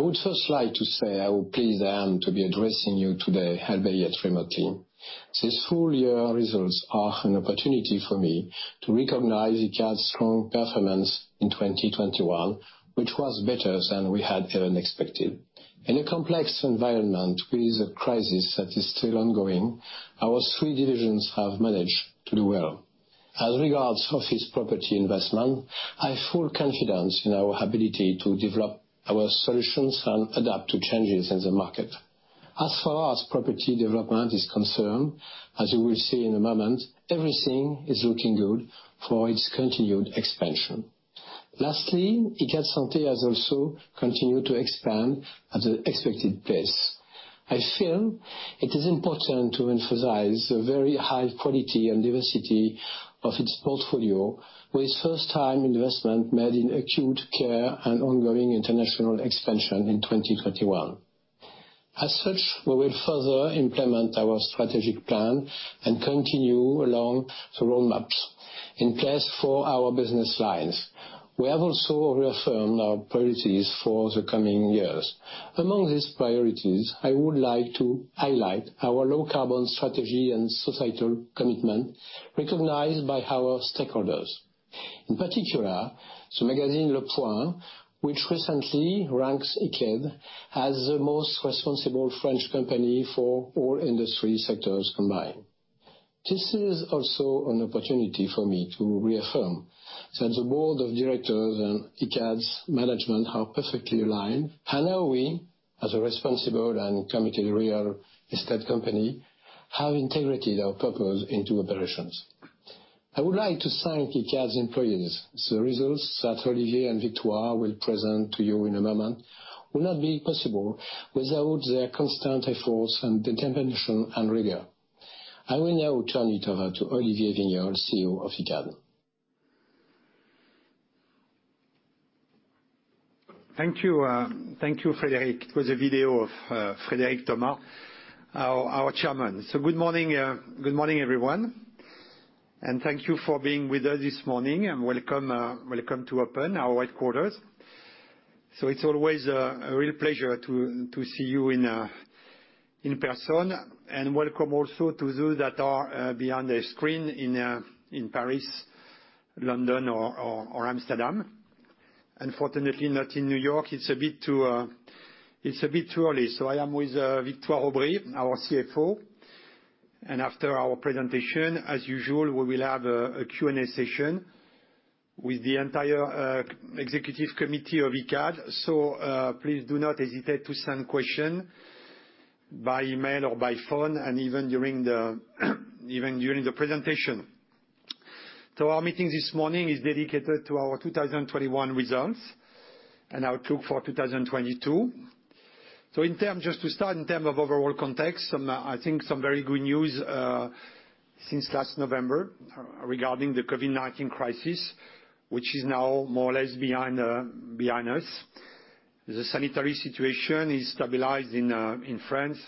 I would first like to say how pleased I am to be addressing you today, albeit remotely. These full year results are an opportunity for me to recognize Icade's strong performance in 2021, which was better than we had even expected. In a complex environment with a crisis that is still ongoing, our three divisions have managed to do well. As regards office property investment, I have full confidence in our ability to develop our solutions and adapt to changes in the market. As far as property development is concerned, as you will see in a moment, everything is looking good for its continued expansion. Lastly, Icade Santé has also continued to expand at an expected pace. I feel it is important to emphasize the very high quality and diversity of its portfolio, with first-time investment made in acute care and ongoing international expansion in 2021. As such, we will further implement our strategic plan and continue along the roadmaps in place for our business lines. We have also reaffirmed our priorities for the coming years. Among these priorities, I would like to highlight our low carbon strategy and societal commitment recognized by our stakeholders. In particular, the magazine Le Point, which recently ranks Icade as the most responsible French company for all industry sectors combined. This is also an opportunity for me to reaffirm that the board of directors and Icade's management are perfectly aligned, and how we, as a responsible and committed real estate company, have integrated our purpose into operations. I would like to thank Icade's employees. The results that Olivier and Victoire will present to you in a moment would not be possible without their constant efforts and determination and rigor. I will now turn it over to Olivier Wigniolle, CEO of Icade. Thank you. Thank you, Frédéric Thomas. It was a video of Frédéric Thomas, our chairman. Good morning. Good morning, everyone, and thank you for being with us this morning. Welcome to Open, our headquarters. It's always a real pleasure to see you in person. Welcome also to those that are behind the screen in Paris, London or Amsterdam. Unfortunately not in New York. It's a bit too early. I am with Victoire Aubry, our CFO, and after our presentation, as usual, we will have a Q&A session with the entire Executive Committee of Icade. Please do not hesitate to send question by email or by phone, and even during the presentation. Our meeting this morning is dedicated to our 2021 results and outlook for 2022. In terms, just to start, in terms of overall context, I think some very good news since last November regarding the COVID-19 crisis, which is now more or less behind us. The sanitary situation is stabilized in France,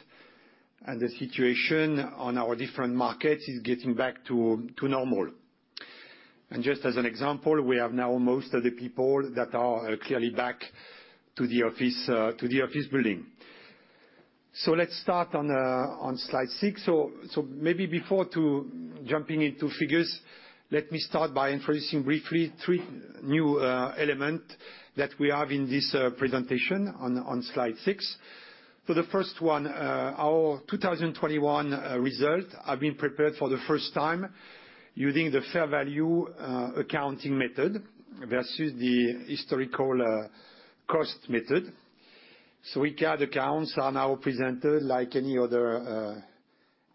and the situation on our different markets is getting back to normal. Just as an example, we have now most of the people that are clearly back to the office building. Let's start on slide 6. Maybe before jumping into figures, let me start by introducing briefly three new elements that we have in this presentation on slide 6. For the first one, our 2021 results have been prepared for the first time using the fair value accounting method versus the historical cost method. Icade accounts are now presented like any other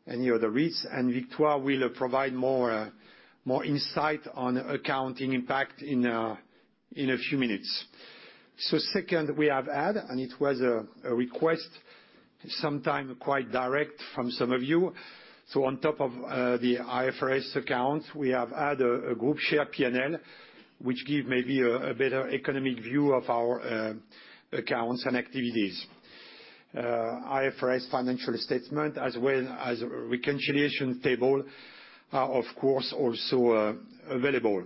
REITs, and Victoire will provide more insight on accounting impact in a few minutes. Second, we have added, and it was a request, sometimes quite direct from some of you. On top of the IFRS accounts, we have added a group share P&L, which gives maybe a better economic view of our accounts and activities. IFRS financial statements as well as reconciliation tables are of course also available.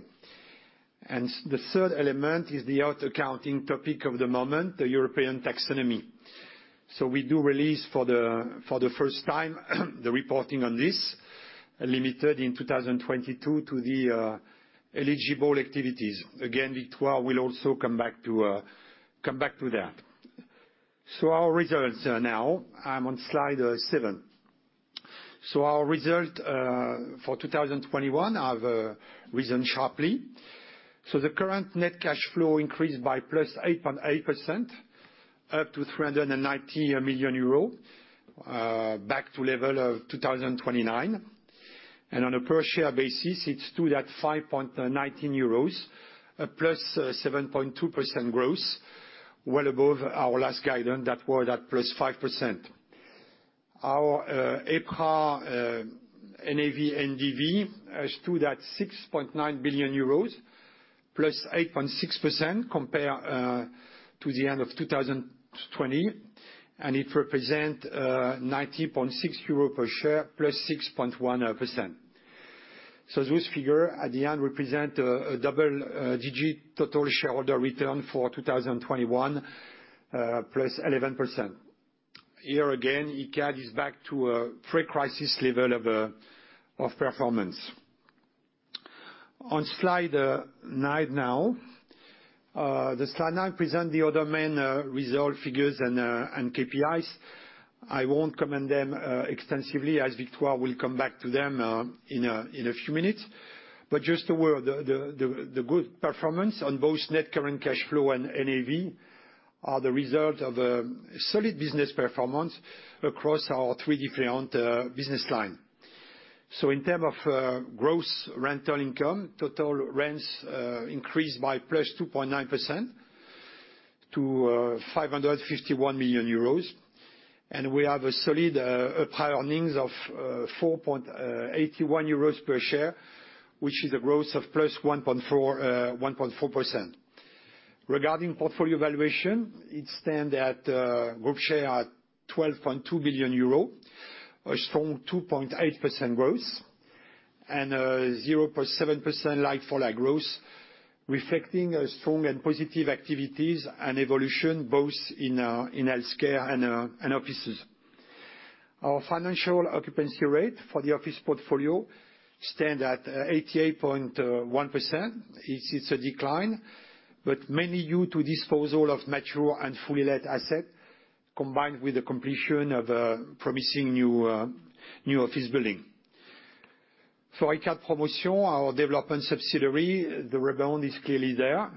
The third element is the hot accounting topic of the moment, the European taxonomy. We do release for the first time the reporting on this, limited in 2022 to the eligible activities. Again, Victoire will also come back to that. Our results now. I'm on slide seven. Our result for 2021 have risen sharply. The current net cash flow increased by +8.8%, up to 390 million euro, back to level of 2019. On a per share basis, it stood at 5.19 euros, a +7.2% growth, well above our last guidance that were at +5%. Our EPRA NAV NDV has stood at EUR 6.9 billion, +8.6% compare to the end of 2020, and it represent 90.6 euros per share, +6.1%. This figure at the end represent a double digit total shareholder return for 2021, +11%. Here again, Icade is back to a pre-crisis level of performance. On slide nine now. The slide now present the other main result figures and KPIs. I won't comment them extensively as Victoire will come back to them in a few minutes. Just a word, the good performance on both net current cash flow and NAV are the result of solid business performance across our three different business lines. In terms of gross rental income, total rents increased by +2.9% to 551 million euros. We have a solid EPRA earnings of 4.81 euros per share, which is a growth of +1.4%. Regarding portfolio valuation, it stands at group share at 12.2 billion euro. A strong 2.8% growth and 0.7% like-for-like growth, reflecting a strong and positive activities and evolution both in healthcare and offices. Our financial occupancy rate for the office portfolio stands at 88.1%. It's a decline, but mainly due to disposal of mature and fully let asset, combined with the completion of a promising new office building. For Icade Promotion, our development subsidiary, the rebound is clearly there.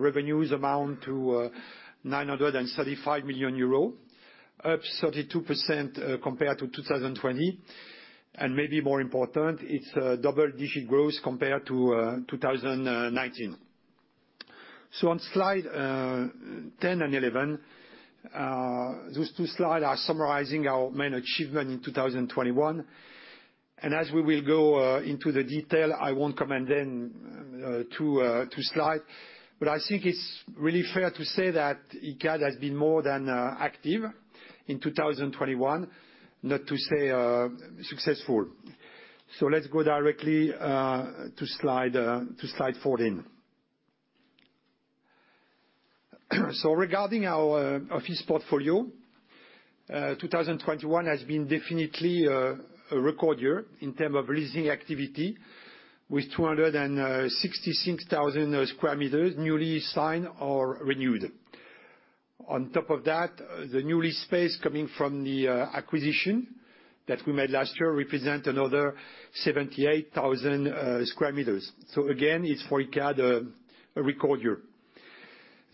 Revenues amount to 935 million euro, up 32%, compared to 2020. Maybe more important, it's a double-digit growth compared to 2019. On slides 10 and 11, those two slides are summarizing our main achievement in 2021. As we will go into the detail, I won't comment then two slides. I think it's really fair to say that Icade has been more than active in 2021, not to say successful. Let's go directly to slide 14. Regarding our office portfolio, 2021 has been definitely a record year in terms of leasing activity, with 266,000 sq m newly signed or renewed. On top of that, the new space coming from the acquisition that we made last year represents another 78,000 sq m. Again, it's for Icade a record year.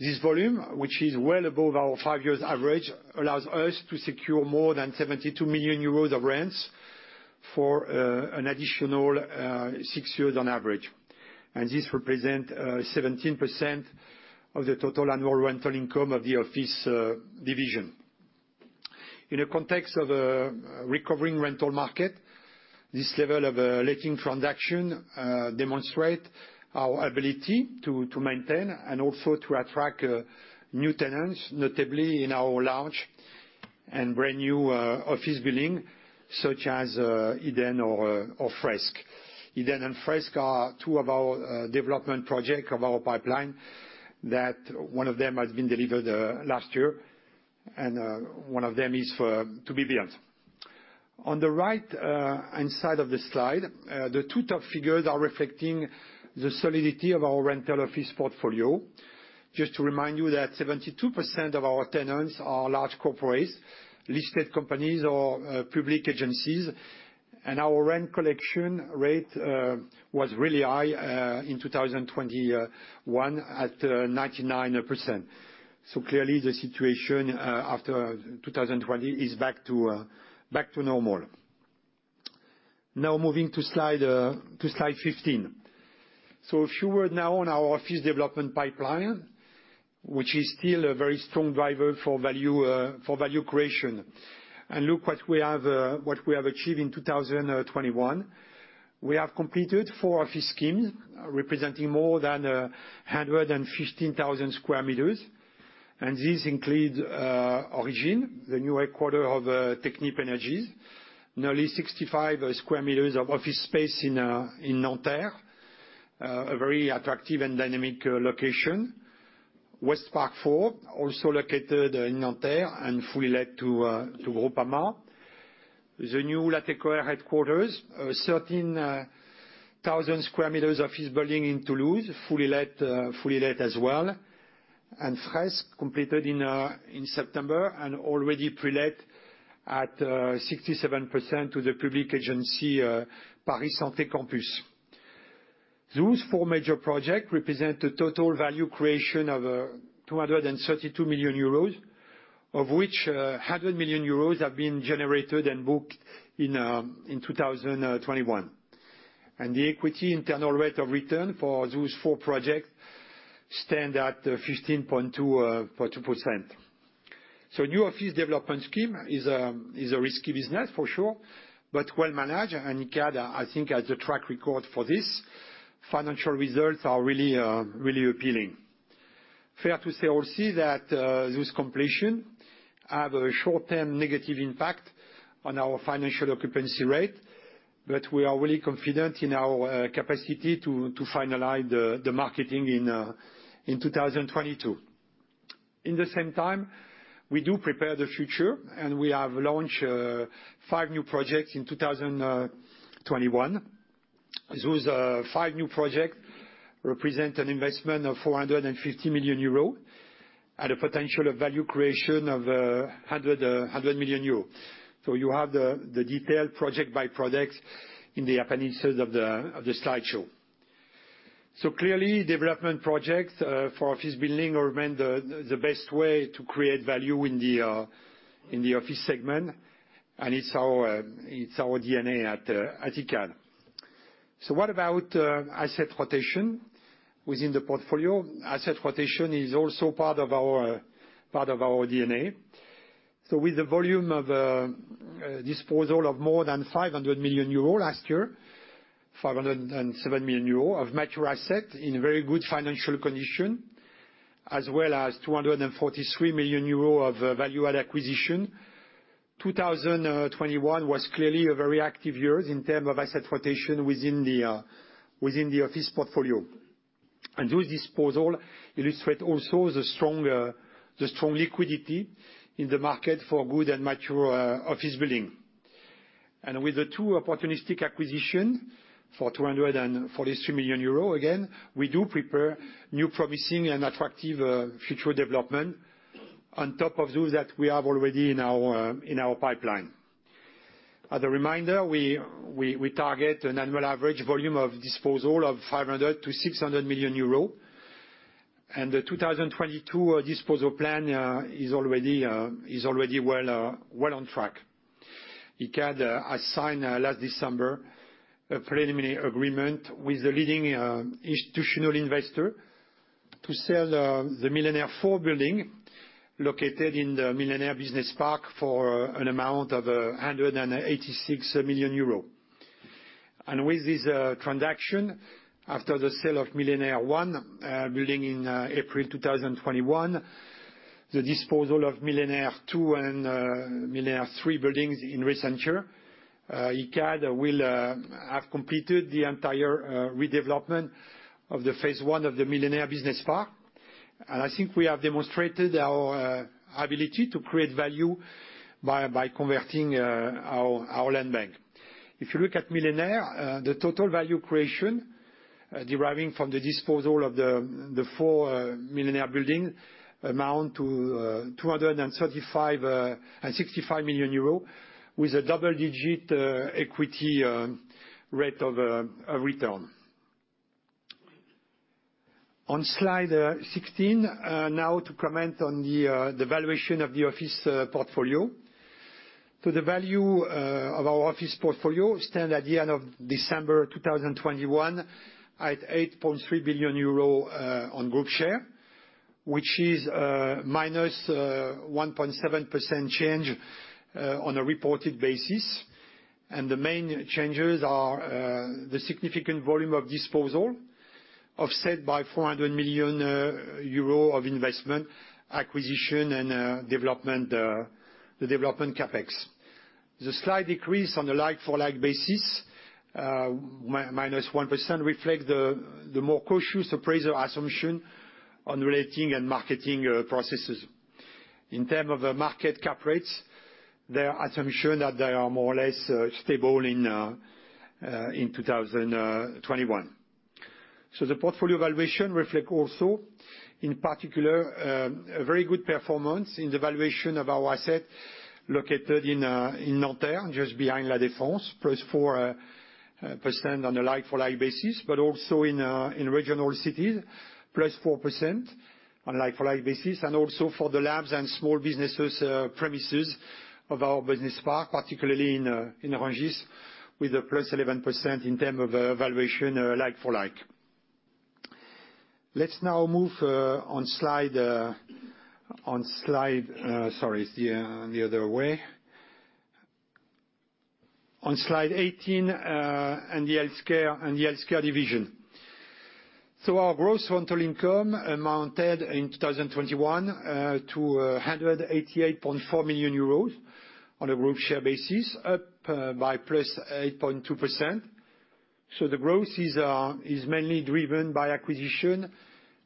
This volume, which is well above our five-year average, allows us to secure more than 72 million euros of rents for an additional six years on average. This represents 17% of the total annual rental income of the office division. In the context of a recovering rental market, this level of letting transactions demonstrate our ability to maintain and also to attract new tenants, notably in our large and brand-new office buildings, such as Edenn or Fresk, Edenn and Fresk are two of our development projects of our pipeline that one of them has been delivered last year, and one of them is to be built. On the right-hand side of the slide, the two top figures are reflecting the solidity of our rental office portfolio. Just to remind you that 72% of our tenants are large corporates, listed companies or public agencies. Our rent collection rate was really high in 2021 at 99%. Clearly the situation after 2020 is back to normal. Now moving to slide 15. A few words now on our office development pipeline, which is still a very strong driver for value creation. Look what we have achieved in 2021. We have completed four office schemes, representing more than 115,000 sq m. This includes Origine, the new headquarters of Technip Energies. Nearly 65,000 sq m of office space in Nanterre, a very attractive and dynamic location. West Park 4, also located in Nanterre and fully let to Groupama. The new Latécoère headquarters, 13,000 sq m office building in Toulouse, fully let, fully let as well. Fresk, completed in September and already pre-let at 67% to the public agency, PariSanté Campus. Those four major projects represent a total value creation of 232 million euros, of which 100 million euros have been generated and booked in 2021. The equity internal rate of return for those four projects stands at 15.2%. New office development scheme is a risky business for sure, but well managed, and Icade, I think, has a track record for this. Financial results are really appealing. Fair to say also that this completion have a short-term negative impact on our financial occupancy rate, but we are really confident in our capacity to finalize the marketing in 2022. At the same time, we do prepare the future, and we have launched 5 new projects in 2021. Those 5 new projects represent an investment of 450 million euros, at a potential of value creation of 100 million euros. You have the detailed project by project in the appendices of the slideshow. Clearly, development projects for office building remain the best way to create value in the office segment. It's our DNA at Icade. What about asset rotation within the portfolio? Asset rotation is also part of our DNA. With the volume of disposal of more than 500 million euro last year, 507 million euro of mature asset in very good financial condition, as well as 243 million euro of value add acquisition. 2021 was clearly a very active years in term of asset rotation within the office portfolio. Those disposal illustrate also the strong liquidity in the market for good and mature office building. With the two opportunistic acquisition, for 243 million euros, again, we do prepare new promising and attractive future development on top of those that we have already in our pipeline. As a reminder, we target an annual average volume of disposal of 500-600 million euros. The 2022 disposal plan is already well on track. Icade signed last December a preliminary agreement with the leading institutional investor to sell the Millénaire 4 building located in the Millénaire business park for an amount of 186 million euros. With this transaction, after the sale of Millénaire 1 building in April 2021, the disposal of Millénaire 2 and Millénaire 3 buildings in recent year, Icade will have completed the entire redevelopment of the phase one of the Millénaire business park. I think we have demonstrated our ability to create value by converting our land bank. If you look at Millénaire, the total value creation deriving from the disposal of the four Millénaire buildings amount to 235 million and 65 million euro, with a double-digit equity rate of return. On slide sixteen, now to comment on the valuation of the office portfolio. The value of our office portfolio stand at the end of December 2021 at 8.3 billion euro, on group share, which is -1.7% change on a reported basis. The main changes are the significant volume of disposal, offset by 400 million euro of investment, acquisition, and development, the development CapEx. The slight decrease on the like-for-like basis, minus 1%, reflects the more cautious appraiser assumption on relating and marketing processes. In terms of the market cap rates, their assumption that they are more or less stable in 2021. The portfolio valuation reflects also, in particular, a very good performance in the valuation of our asset located in Nanterre, just behind La Défense, +4% on a like-for-like basis, but also in regional cities, +4% on a like-for-like basis, and also for the labs and small businesses premises of our business park, particularly in Rungis, with a +11% in terms of valuation, like-for-like. Let's now move on slide, sorry, the other way. On slide 18, the healthcare division. Our gross rental income amounted in 2021 to 188.4 million euros on a group share basis, up by +8.2%. The growth is mainly driven by acquisition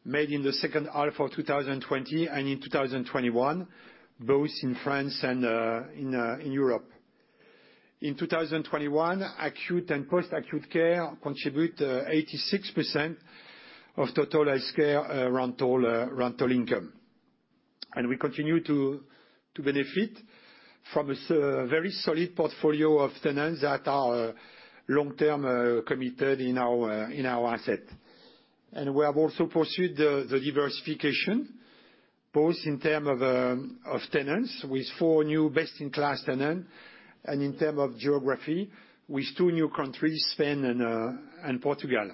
made in the second half of 2020 and in 2021, both in France and in Europe. In 2021, acute and post-acute care contribute 86% of total healthcare rental income. We continue to benefit from a very solid portfolio of tenants that are long-term committed in our asset. We have also pursued the diversification, both in terms of tenants with four new best-in-class tenants, and in terms of geography with two new countries, Spain and Portugal.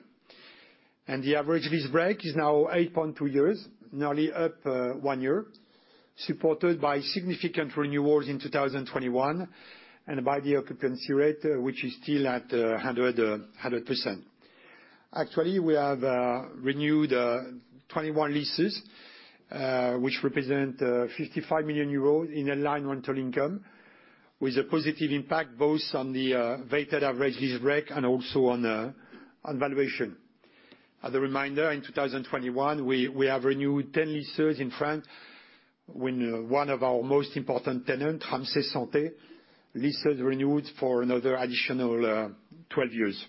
The average lease break is now 8.2 years, nearly up one year. Supported by significant renewals in 2021, and by the occupancy rate, which is still at 100%. Actually, we have renewed 21 leases, which represent 55 million euros in-line rental income, with a positive impact both on the weighted average lease break, and also on valuation. As a reminder, in 2021, we have renewed 10 leases in France, with one of our most important tenants, Ramsay Santé, lease renewed for another additional 12 years.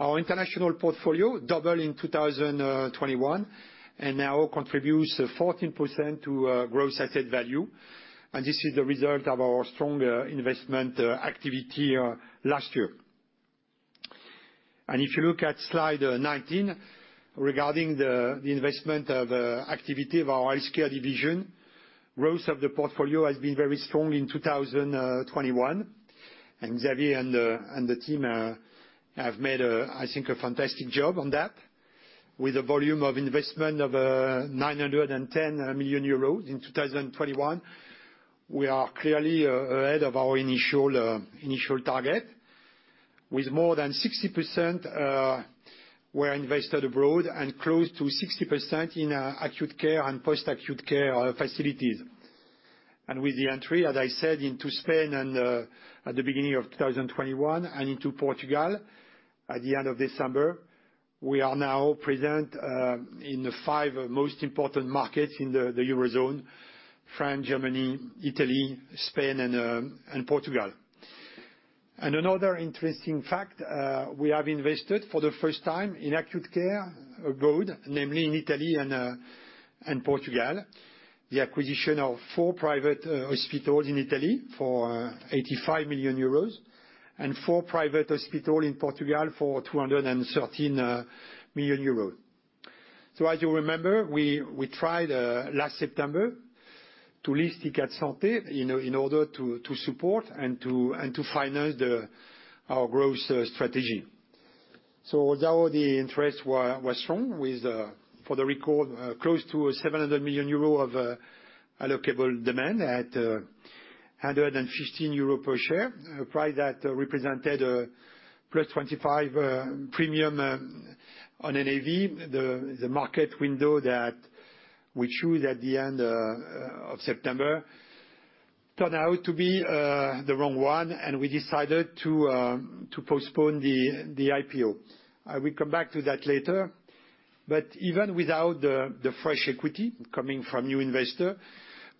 Our international portfolio doubled in 2021, and now contributes 14% to gross asset value, and this is the result of our strong investment activity last year. If you look at slide 19, regarding the investment activity of our healthcare division, growth of the portfolio has been very strong in 2021. Xavier and the team have made, I think, a fantastic job on that. With a volume of investment of 910 million euros in 2021, we are clearly ahead of our initial target, with more than 60% were invested abroad and close to 60% in acute care and post-acute care facilities. With the entry, as I said, into Spain and at the beginning of 2021, and into Portugal at the end of December, we are now present in the five most important markets in the Eurozone: France, Germany, Italy, Spain, and Portugal. Another interesting fact, we have invested for the first time in acute care abroad, namely in Italy and Portugal. The acquisition of four private hospitals in Italy for 85 million euros and four private hospital in Portugal for 213 million euros. As you remember, we tried last September to list Icade Santé in order to support and to finance our growth strategy. Although the interest was strong with, for the record, close to 700 million euro of allocable demand at 115 euro per share, a price that represented +25% premium on NAV. The market window that we chose at the end of September turned out to be the wrong one, and we decided to postpone the IPO. I will come back to that later. Even without the fresh equity coming from new investor,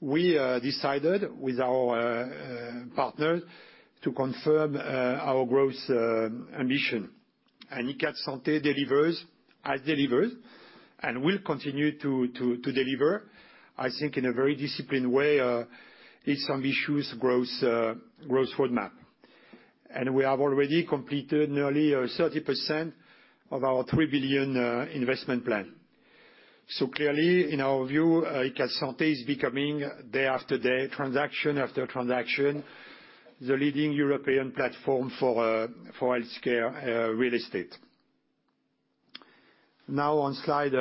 we decided with our partners to confirm our growth ambition. Icade Santé delivers, has delivered, and will continue to deliver, I think in a very disciplined way, its ambitious growth roadmap. We have already completed nearly 30% of our 3 billion investment plan. Clearly, in our view, Icade Santé is becoming day after day, transaction after transaction, the leading European platform for healthcare real estate. Now on slide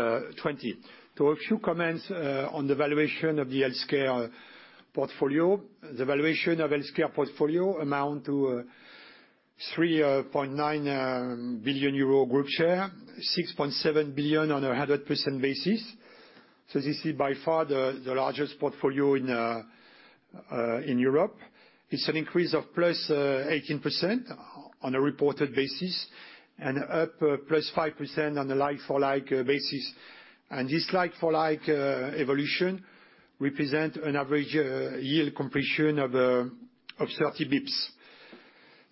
20. A few comments on the valuation of the healthcare portfolio. The valuation of healthcare portfolio amounts to 3.9 billion euro group share, 6.7 billion EUR on a 100% basis. This is by far the largest portfolio in Europe. It's an increase of +18% on a reported basis and up +5% on a like-for-like basis. This like-for-like evolution represent an average yield compression of 30 bps.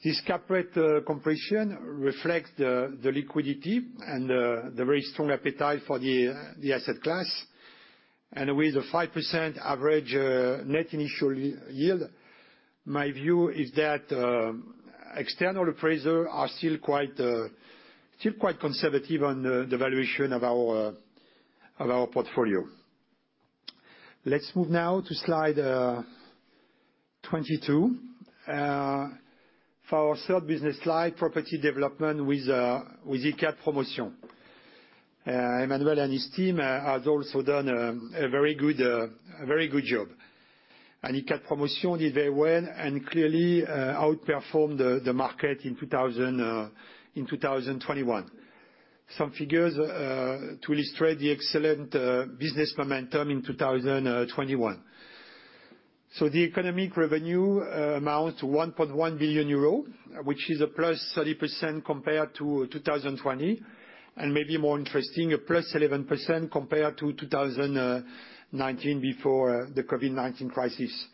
This cap rate compression reflects the liquidity and the very strong appetite for the asset class. With a 5% average net initial yield, my view is that external appraisers are still quite conservative on the valuation of our portfolio. Let's move now to slide 22. For our third business line, property development with Icade Promotion. Emmanuel and his team has also done a very good job. Icade Promotion did very well and clearly outperformed the market in 2021. Some figures to illustrate the excellent business momentum in 2021. The economic revenue amounts to 1.1 billion euro, which is +30% compared to 2020, and maybe more interesting, +11% compared to 2019 before the COVID-19 crisis.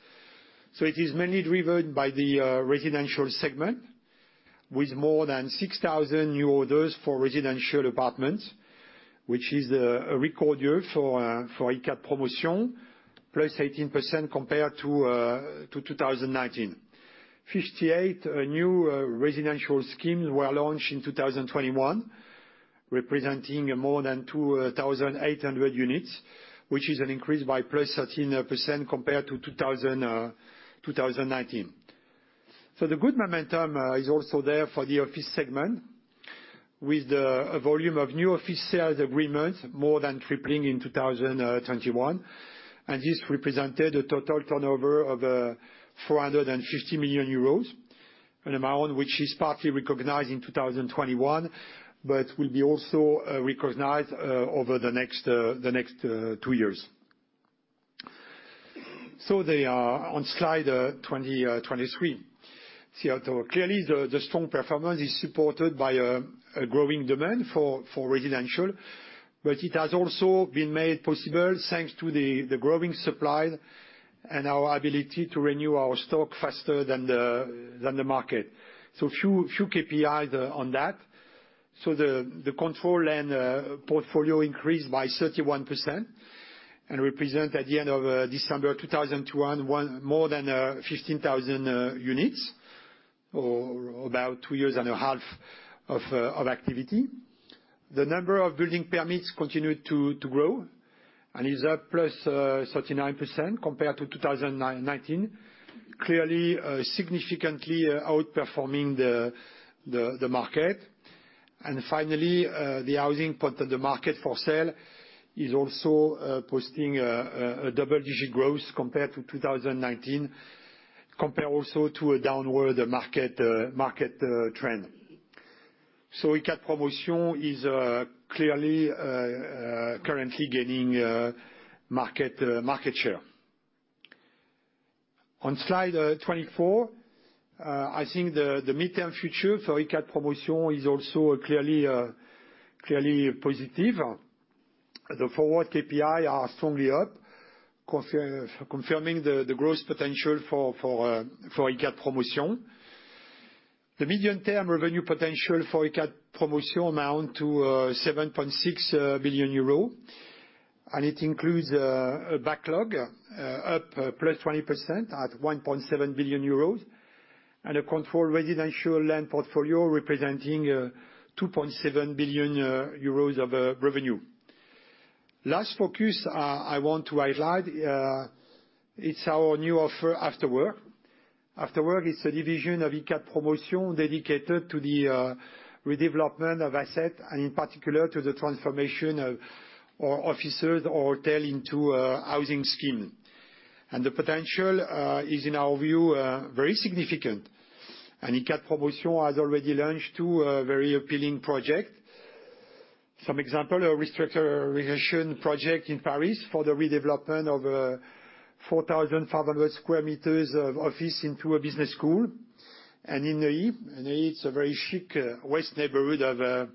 It is mainly driven by the residential segment, with more than 6,000 new orders for residential apartments, which is a record year for Icade Promotion, +18% compared to 2019. 58 new residential schemes were launched in 2021, representing more than 2,800 units, which is an increase by +13% compared to 2019. The good momentum is also there for the office segment, with the volume of new office sales agreements more than tripling in 2021. This represented a total turnover of 450 million euros, an amount which is partly recognized in 2021, but will be also recognized over the next two years. They are on slide 23. Clearly the strong performance is supported by a growing demand for residential, but it has also been made possible thanks to the growing supply and our ability to renew our stock faster than the market. Few KPIs on that. The controlled land portfolio increased by 31% and represents at the end of December 2021 more than 15,000 units, or about 2 years and a half of activity. The number of building permits continued to grow, and is up +39% compared to 2019. Clearly, significantly outperforming the market. Finally, the housing point of the market for sale is also posting a double-digit growth compared to 2019, compared also to a downward market trend. Icade Promotion is clearly currently gaining market share. On slide 24, I think the midterm future for Icade Promotion is also clearly positive. The forward KPI are strongly up, confirming the growth potential for Icade Promotion. The medium-term revenue potential for Icade Promotion amount to 7.6 billion euro, and it includes a backlog up plus 20% at 1.7 billion euros, and a controlled residential land portfolio representing 2.7 billion euros of revenue. Last focus, I want to highlight, it's our new offer, AfterWork. AfterWork is a division of Icade Promotion dedicated to the redevelopment of assets, and in particular to the transformation of offices or hotels into housing schemes. The potential is in our view very significant. Icade Promotion has already launched two very appealing projects. For example, a restructure renovation project in Paris for the redevelopment of 4,500 sq m of office into a business school. In Neuilly, it's a very chic west neighborhood of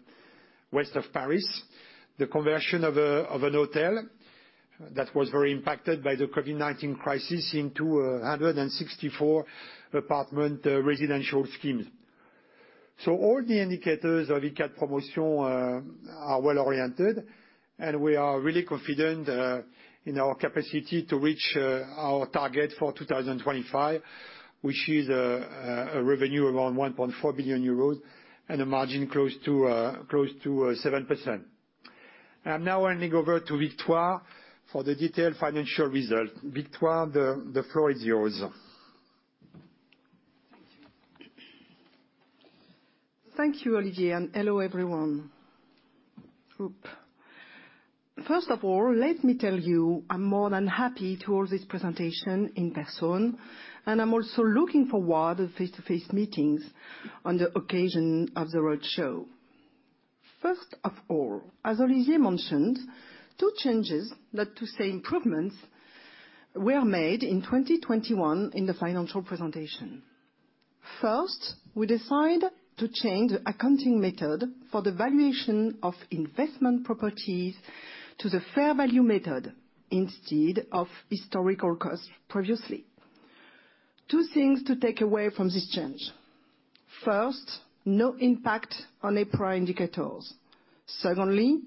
Paris. The conversion of a hotel that was very impacted by the COVID-19 crisis into 164-apartment residential schemes. All the indicators of Icade Promotion are well-oriented, and we are really confident in our capacity to reach our target for 2025, which is a revenue around 1.4 billion euros and a margin close to 7%. I'm now handing over to Victoire for the detailed financial result. Victoire, the floor is yours. Thank you, Olivier, and hello, everyone. First of all, let me tell you, I'm more than happy to hold this presentation in person, and I'm also looking forward to face-to-face meetings on the occasion of the roadshow. First of all, as Olivier mentioned, 2 changes, that is to say improvements, were made in 2021 in the financial presentation. First, we decide to change accounting method for the valuation of investment properties to the fair value method instead of historical cost previously. Two things to take away from this change. First, no impact on EPRA indicators. Secondly,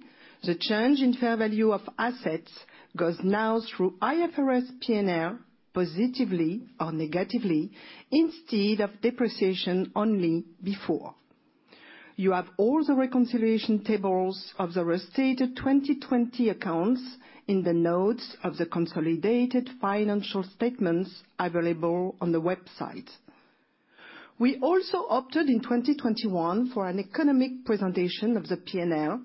the change in fair value of assets goes now through IFRS P&L positively or negatively instead of depreciation only before. You have all the reconciliation tables of the restated 2020 accounts in the notes of the consolidated financial statements available on the website. We also opted in 2021 for an economic presentation of the P&L,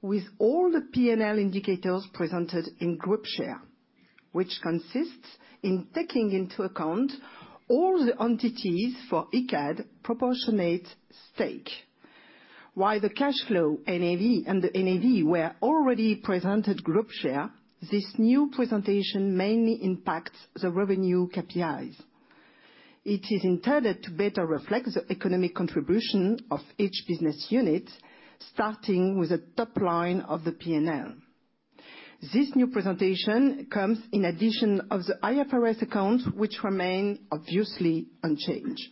with all the P&L indicators presented in group share, which consists in taking into account all the entities for Icade proportionate stake. While the cash flow NAV and the NAV were already presented group share, this new presentation mainly impacts the revenue KPIs. It is intended to better reflect the economic contribution of each business unit, starting with the top line of the P&L. This new presentation comes in addition of the IFRS accounts, which remain obviously unchanged.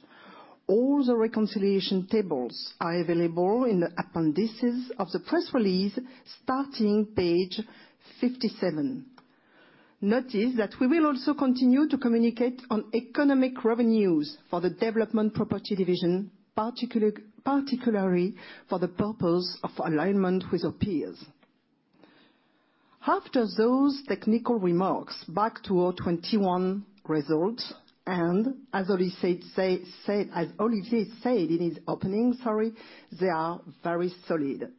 All the reconciliation tables are available in the appendices of the press release starting page 57. Notice that we will also continue to communicate on economic revenues for the development property division, particularly for the purpose of alignment with our peers. After those technical remarks, back to our 2021 results. As Olivier said in his opening, sorry, they are very solid.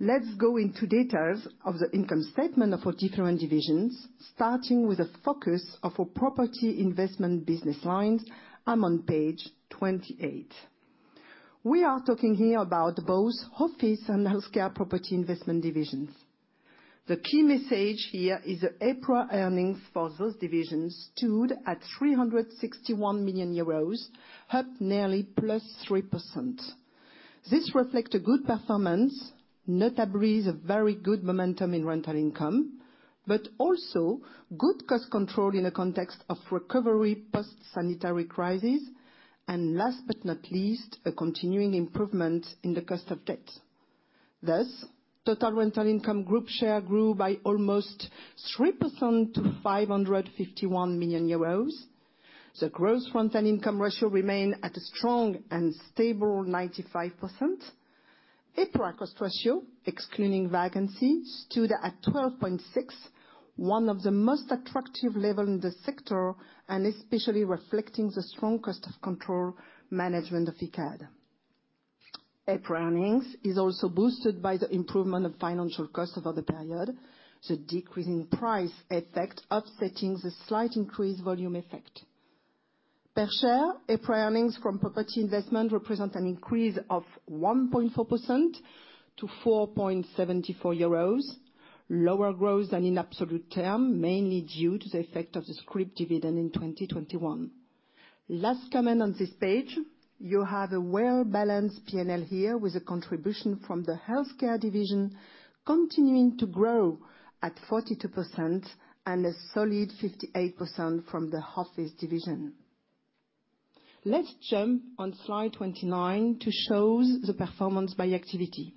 Let's go into details of the income statement of our different divisions, starting with the figures of our property investment business lines. I'm on page 28. We are talking here about both office and healthcare property investment divisions. The key message here is the EPRA earnings for those divisions stood at 361 million euros, up nearly +3%. This reflect a good performance, notably the very good momentum in rental income, but also good cost control in the context of recovery post-sanitary crisis, and last but not least, a continuing improvement in the cost of debt. Thus, total rental income group share grew by almost 3% to 551 million euros. The gross rental income ratio remained at a strong and stable 95%. EPRA cost ratio, excluding vacancy, stood at 12.6, one of the most attractive level in the sector, and especially reflecting the strong cost control management of Icade. EPRA earnings is also boosted by the improvement of financial cost over the period, the decrease in price effect offsetting the slight increase volume effect. Per share, EPRA earnings from property investment represent an increase of 1.4% to 4.74 euros. Lower growth than in absolute terms, mainly due to the effect of the scrip dividend in 2021. Last comment on this page, you have a well-balanced P&L here with a contribution from the healthcare division continuing to grow at 42% and a solid 58% from the office division. Let's jump to slide 29 to show the performance by activity.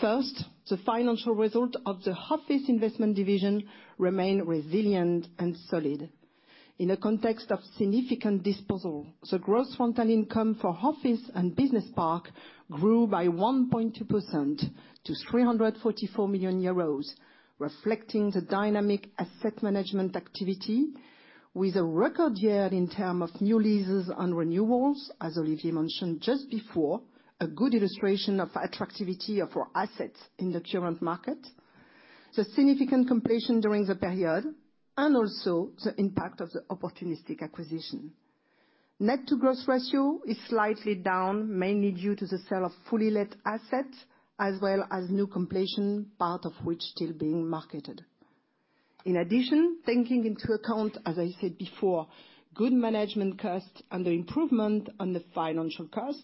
First, the financial result of the office investment division remain resilient and solid. In the context of significant disposal, the gross rental income for office and business park grew by 1.2% to 344 million euros, reflecting the dynamic asset management activity with a record year in term of new leases and renewals, as Olivier mentioned just before, a good illustration of attractivity of our assets in the current market, the significant completion during the period, and also the impact of the opportunistic acquisition. Net-to-gross ratio is slightly down, mainly due to the sale of fully let assets as well as new completion, part of which still being marketed. In addition, taking into account, as I said before, good management cost and the improvement on the financial cost,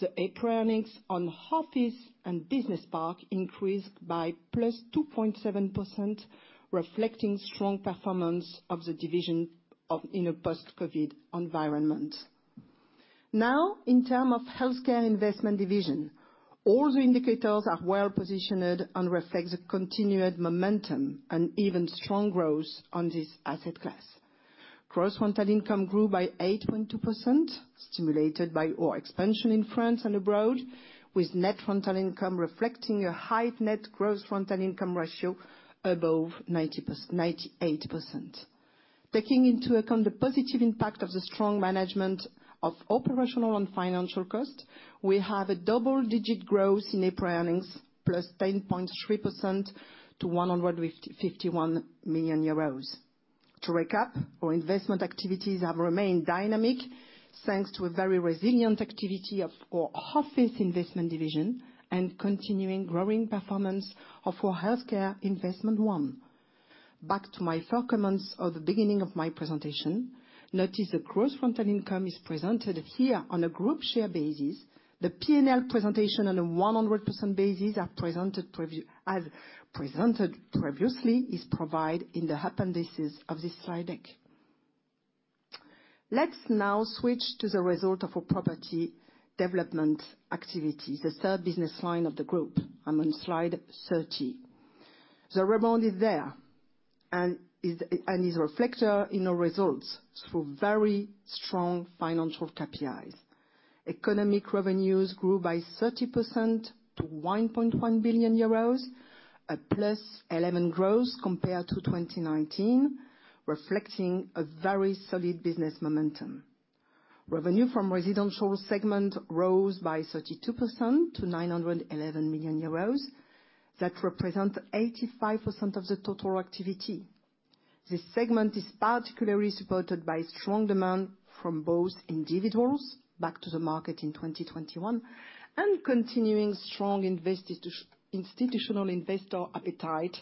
the EPRA earnings on office and business park increased by +2.7%, reflecting strong performance of the division of, you know, post-COVID environment. Now, in terms of healthcare investment division, all the indicators are well-positioned and reflect the continued momentum and even strong growth on this asset class. Gross rental income grew by 8.2%, stimulated by our expansion in France and abroad, with net rental income reflecting a high net-to-gross rental income ratio above 98%. Taking into account the positive impact of the strong management of operational and financial cost, we have a double-digit growth in EPRA earnings, +10.3% to 151 million euros. To recap, our investment activities have remained dynamic thanks to a very resilient activity of our office investment division and continuing growing performance of our healthcare investment arm. Back to my comments of the beginning of my presentation, notice the gross rental income is presented here on a group share basis. The P&L presentation on a 100% basis, as presented previously, is provided in the appendices of this slide deck. Let's now switch to the result of our property development activity, the third business line of the group, on slide 30. The rebound is there and is reflected in our results through very strong financial KPIs. Economic revenues grew by 30% to 1.1 billion euros, a +11% growth compared to 2019, reflecting a very solid business momentum. Revenue from residential segment rose by 32% to 911 million euros. That represent 85% of the total activity. This segment is particularly supported by strong demand from both individuals back to the market in 2021 and continuing strong institutional investor appetite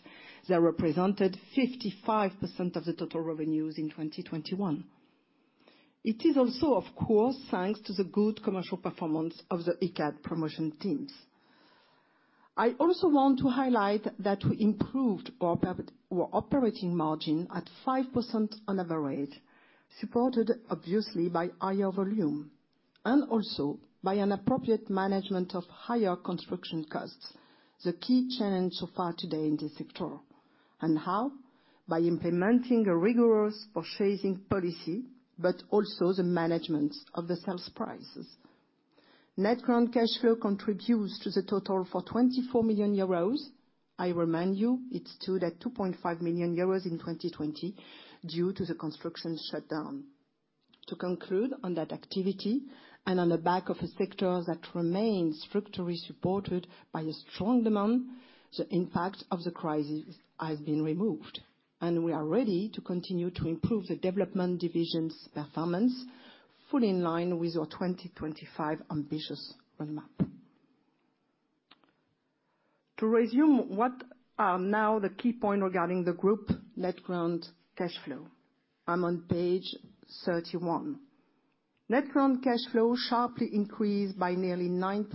that represented 55% of the total revenues in 2021. It is also, of course, thanks to the good commercial performance of the Icade Promotion teams. I also want to highlight that we improved our operating margin at 5% on average, supported obviously by higher volume and also by an appropriate management of higher construction costs, the key challenge so far today in this sector. How? By implementing a rigorous purchasing policy, but also the management of the sales prices. Net current cash flow contributes to the total for 24 million euros. I remind you, it stood at 2.5 million euros in 2020 due to the construction shutdown. To conclude on that activity and on the back of a sector that remains structurally supported by a strong demand, the impact of the crisis has been removed, and we are ready to continue to improve the development division's performance, fully in line with our 2025 ambitious roadmap. To resume what are now the key point regarding the group net current cash flow. I'm on page 31. Net current cash flow sharply increased by nearly 9%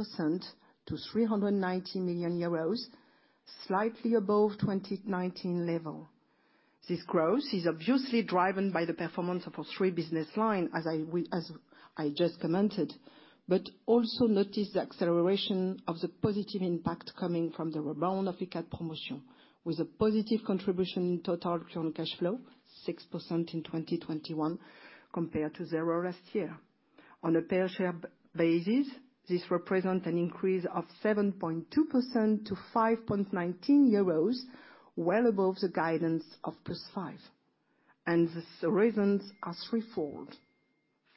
to 390 million euros, slightly above 2019 level. This growth is obviously driven by the performance of our three business line, as I just commented, but also notice the acceleration of the positive impact coming from the rebound of Icade Promotion, with a positive contribution in total current cash flow, 6% in 2021 compared to 0 last year. On a per share basis, this represent an increase of 7.2% to 5.19 euros, well above the guidance of +5%. The reasons are threefold.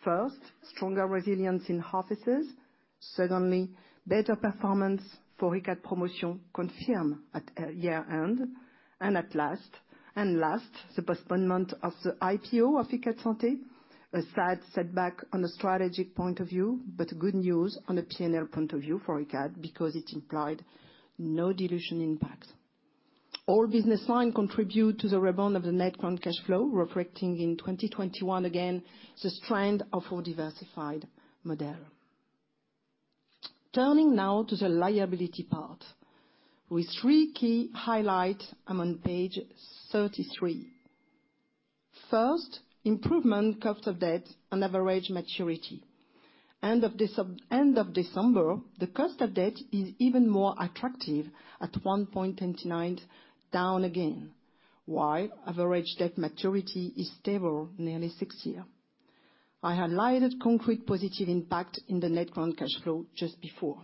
First, stronger resilience in offices. Secondly, better performance for Icade Promotion confirmed at year-end. Lastly, the postponement of the IPO of Icade Santé, a sad setback on a strategic point of view, but good news on a P&L point of view for Icade because it implied no dilution impacts. All business lines contribute to the rebound of the net current cash flow, reflecting in 2021 again the strength of our diversified model. Turning now to the liability part with three key highlights. I'm on page 33. First, improved cost of debt and average maturity. End of December, the cost of debt is even more attractive at 1.29, down again, while average debt maturity is stable, nearly six years. I highlighted concrete positive impact in the net current cash flow just before.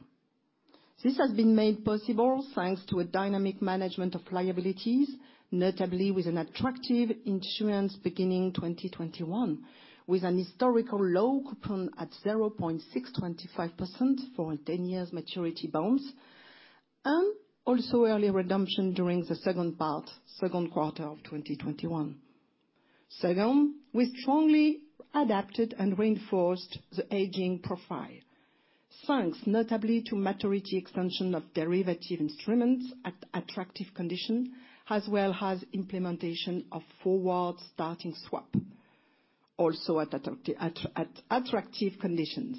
This has been made possible thanks to a dynamic management of liabilities, notably with an attractive issuance beginning 2021, with a historical low coupon at 0.625% for 10-year maturity bonds, and also early redemption during the second quarter of 2021. Second, we strongly adapted and reinforced the hedging profile, thanks notably to maturity extension of derivative instruments at attractive conditions, as well as implementation of forward starting swap, also at attractive conditions,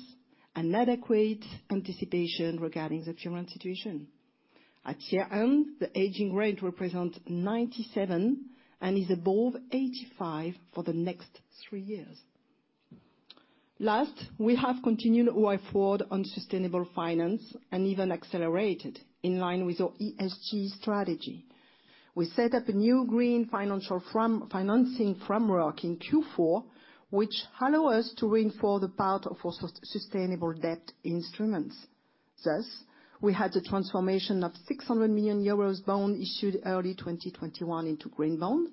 and adequate anticipation regarding the current situation. At year-end, the hedging rate represents 97%, and is above 85% for the next three years. Last, we have continued our effort on sustainable finance and even accelerated, in line with our ESG strategy. We set up a new green financial financing framework in Q4, which allow us to reinforce the part of our sustainable debt instruments. Thus, we had the transformation of 600 million euros bond issued early 2021 into green bond.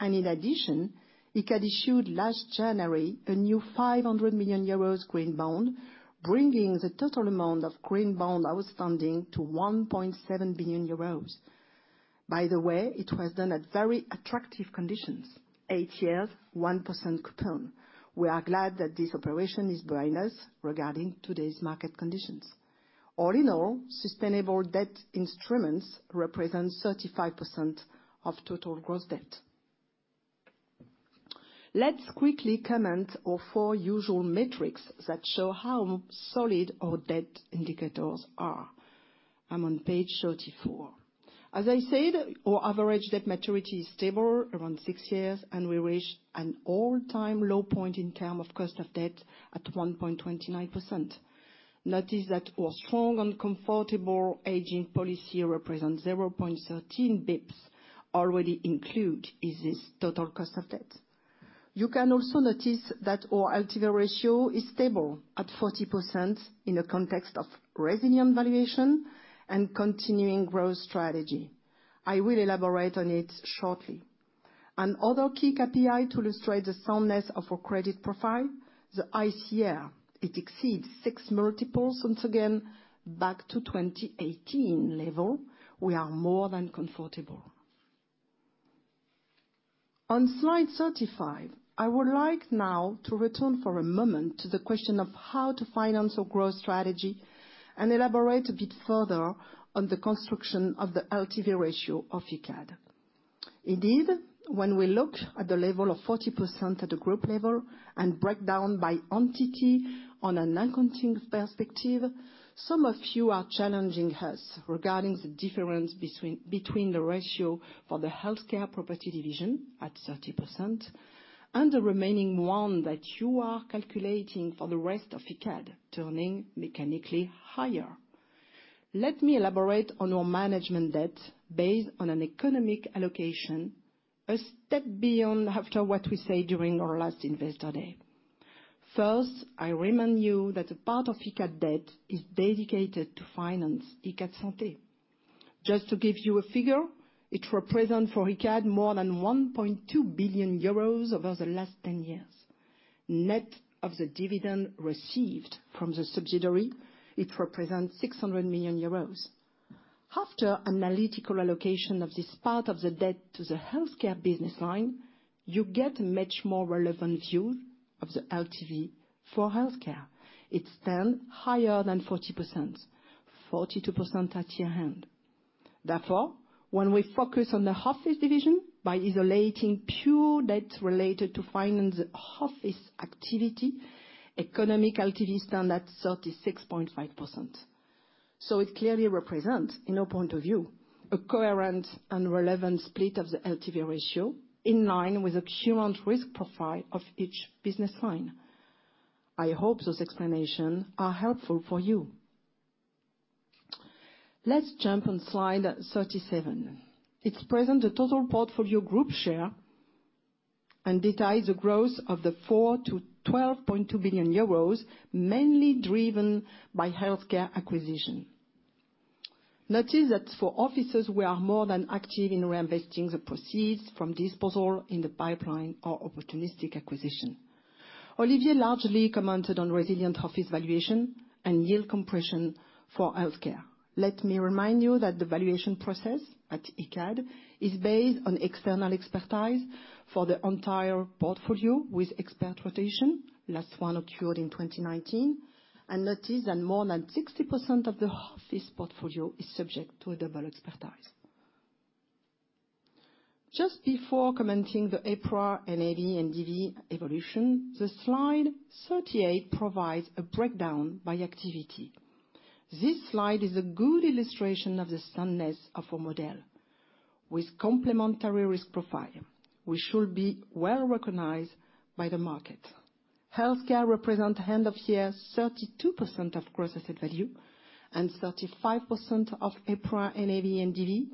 In addition, Icade issued last January a new 500 million euros green bond, bringing the total amount of green bond outstanding to 1.7 billion euros. By the way, it was done at very attractive conditions, 8 years, 1% coupon. We are glad that this operation is behind us regarding today's market conditions. All in all, sustainable debt instruments represent 35% of total gross debt. Let's quickly comment on 4 usual metrics that show how solid our debt indicators are. I'm on page 34. As I said, our average debt maturity is stable, around six years, and we reached an all-time low point in terms of cost of debt at 1.29%. Notice that our strong and comfortable hedging policy represents 0.13 bps, already included in this total cost of debt. You can also notice that our LTV ratio is stable at 40% in the context of resilient valuation and continuing growth strategy. I will elaborate on it shortly. Another key KPI to illustrate the soundness of our credit profile is the ICR. It exceeds 6x once again back to 2018 level. We are more than comfortable. On slide 35, I would like now to return for a moment to the question of how to finance our growth strategy and elaborate a bit further on the construction of the LTV ratio of Icade. Indeed, when we look at the level of 40% at the group level and break down by entity on a non-continuing perspective, some of you are challenging us regarding the difference between the ratio for the healthcare property division at 30% and the remaining one that you are calculating for the rest of Icade, turning mechanically higher. Let me elaborate on our management debt based on an economic allocation, a step beyond after what we say during our last investor day. First, I remind you that a part of Icade debt is dedicated to finance Icade Santé. Just to give you a figure, it represent for Icade more than 1.2 billion euros over the last 10 years. Net of the dividend received from the subsidiary, it represents 600 million euros. After analytical allocation of this part of the debt to the healthcare business line, you get a much more relevant view of the LTV for healthcare. It stands higher than 40%, 42% at year-end. Therefore, when we focus on the office division by isolating pure debt related to finance office activity, economic LTV stands at 36.5%. It clearly represents, in our point of view, a coherent and relevant split of the LTV ratio in line with the current risk profile of each business line. I hope those explanations are helpful for you. Let's jump on slide 37. It presents the total portfolio group share and details the growth from 4 billion to 12.2 billion euros, mainly driven by healthcare acquisition. Notice that for offices, we are more than active in reinvesting the proceeds from disposal in the pipeline or opportunistic acquisition. Olivier largely commented on resilient office valuation and yield compression for healthcare. Let me remind you that the valuation process at Icade is based on external expertise for the entire portfolio with expert rotation. Last one occurred in 2019. Notice that more than 60% of the office portfolio is subject to a double expertise. Just before commenting the EPRA NAV and NDV evolution, the slide 38 provides a breakdown by activity. This slide is a good illustration of the soundness of our model with complementary risk profile. We should be well-recognized by the market. Healthcare represent end of year 32% of gross asset value and 35% of EPRA NAV and NDV,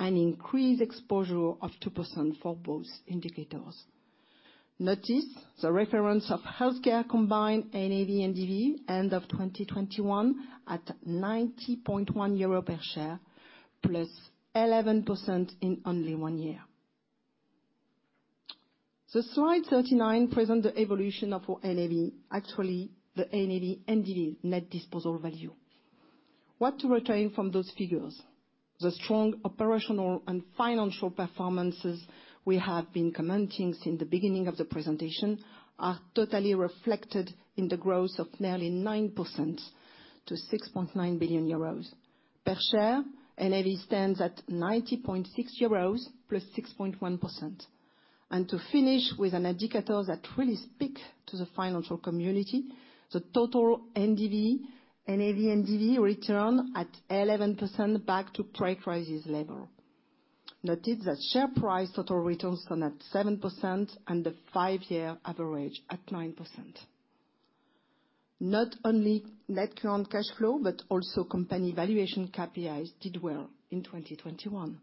an increased exposure of 2% for both indicators. Notice the reference of healthcare combined NAV and NDV, end of 2021 at 90.1 euro per share +11% in only 1 year. The slide 39 present the evolution of our NAV, actually the NAV NDV, net disposal value. What to retain from those figures? The strong operational and financial performances we have been commenting since the beginning of the presentation are totally reflected in the growth of nearly 9% to 6.9 billion euros. Per share, NAV stands at 90.6 euros +6.1%. To finish with an indicator that really speak to the financial community, the total NDV, NAV NDV return at 11% back to pre-crisis level. Notice that share price total returns stand at 7% and the 5-year average at 9%. Not only net current cash flow, but also company valuation KPIs did well in 2021.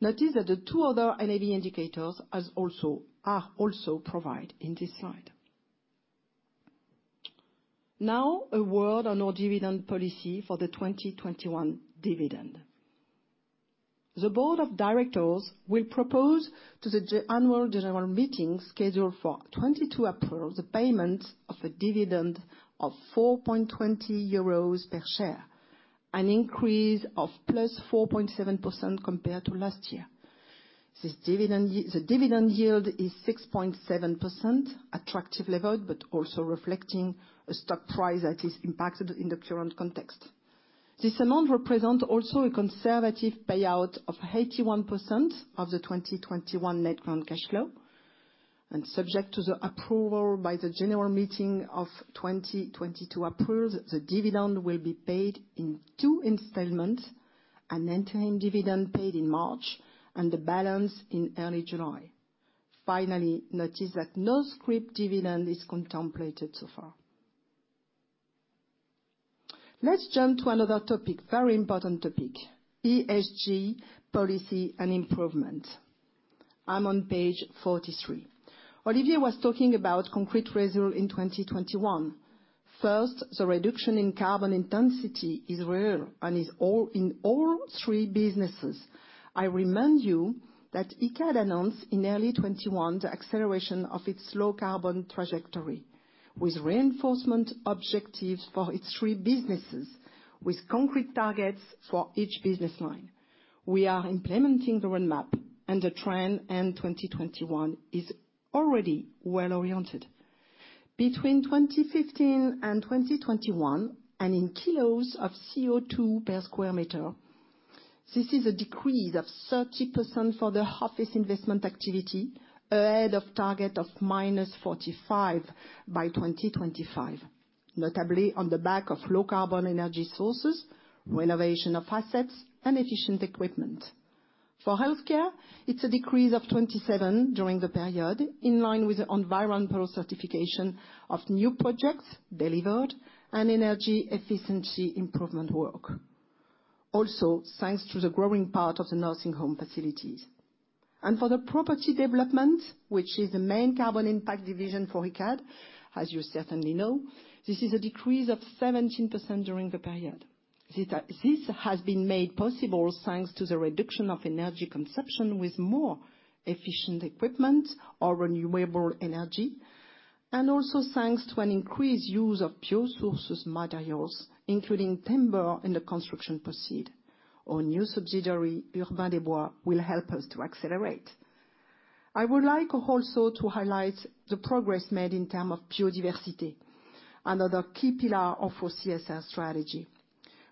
Notice that the two other NAV indicators are also provided in this slide. Now a word on our dividend policy for the 2021 dividend. The board of directors will propose to the annual general meeting scheduled for 22 April the payment of a dividend of 4.20 euros per share, an increase of +4.7% compared to last year. This dividend yield is 6.7%, attractive level, but also reflecting a stock price that is impacted in the current context. This amount represents also a conservative payout of 81% of the 2021 net current cash flow. Subject to the approval by the general meeting of April 2022, the dividend will be paid in two installments, an interim dividend paid in March and the balance in early July. Finally, notice that no scrip dividend is contemplated so far. Let's jump to another topic, very important topic, ESG policy and improvement. I'm on page 43. Olivier was talking about concrete result in 2021. First, the reduction in carbon intensity is real and is, in all, three businesses. I remind you that Icade announced in early 2021 the acceleration of its low carbon trajectory with reinforcement objectives for its three businesses with concrete targets for each business line. We are implementing the roadmap and the trend, end 2021, is already well-oriented. Between 2015 and 2021, and in kilos of CO2 per sq m, this is a decrease of 30% for the office investment activity ahead of target of -45% by 2025, notably on the back of low carbon energy sources, renovation of assets and efficient equipment. For healthcare, it's a decrease of 27% during the period, in line with the environmental certification of new projects delivered and energy efficiency improvement work. Also, thanks to the growing part of the nursing home facilities. For the property development, which is the main carbon impact division for Icade, as you certainly know, this is a decrease of 17% during the period. This has been made possible thanks to the reduction of energy consumption with more efficient equipment or renewable energy, and also thanks to an increased use of sourced materials, including timber in the construction process. Our new subsidiary, Urbain des Bois, will help us to accelerate. I would like also to highlight the progress made in terms of biodiversity, another key pillar of our CSR strategy.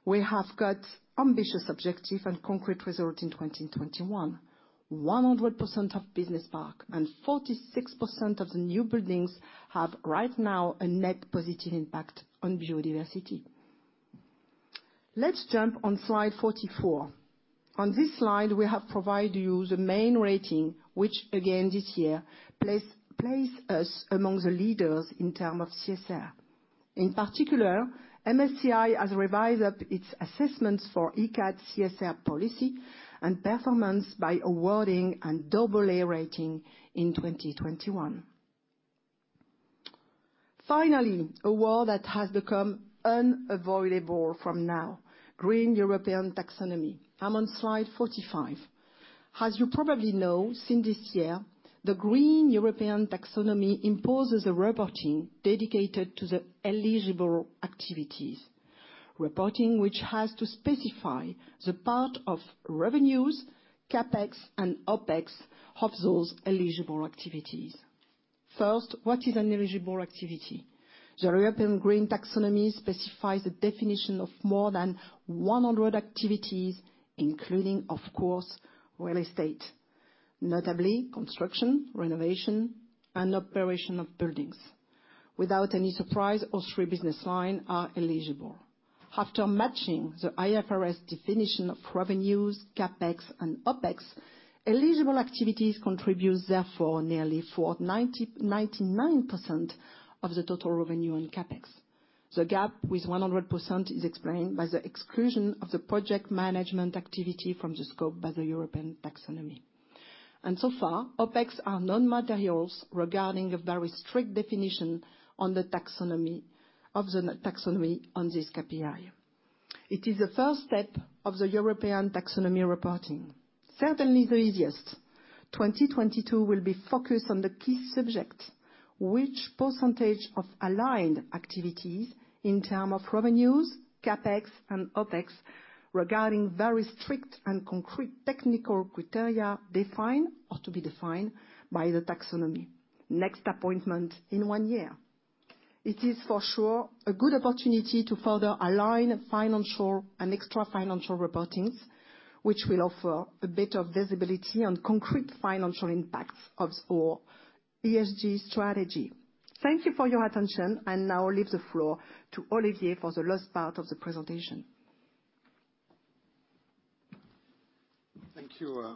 We have got ambitious objectives and concrete results in 2021. 100% of business parks and 46% of the new buildings have right now a net positive impact on biodiversity. Let's jump on slide 44. On this slide, we have provided you the main ratings, which again this year place us among the leaders in terms of CSR. In particular, MSCI has revised up its assessments for Icade CSR policy and performance by awarding an AA rating in 2021. Finally, a topic that has become unavoidable from now on, green European taxonomy. I'm on slide 45. As you probably know, since this year, the green European taxonomy imposes a reporting dedicated to the eligible activities. Reporting which has to specify the part of revenues, CapEx, and OpEx of those eligible activities. First, what is an eligible activity? The European green taxonomy specifies the definition of more than 100 activities, including, of course, real estate, notably construction, renovation, and operation of buildings. Without any surprise, all three business line are eligible. After matching the IFRS definition of revenues, CapEx, and OpEx, eligible activities contributes therefore nearly 99.99% of the total revenue and CapEx. The gap with 100% is explained by the exclusion of the project management activity from the scope by the European taxonomy. So far, OpEx are non-materials regarding a very strict definition on the taxonomy, of the taxonomy on this KPI. It is the first step of the European taxonomy reporting, certainly the easiest. 2022 will be focused on the key subject, which percentage of aligned activities in terms of revenues, CapEx, and OpEx, regarding very strict and concrete technical criteria defined or to be defined by the taxonomy. Next appointment in one year. It is for sure a good opportunity to further align financial and extra-financial reportings, which will offer a bit of visibility on concrete financial impacts of our ESG strategy. Thank you for your attention, and now I leave the floor to Olivier for the last part of the presentation. Thank you.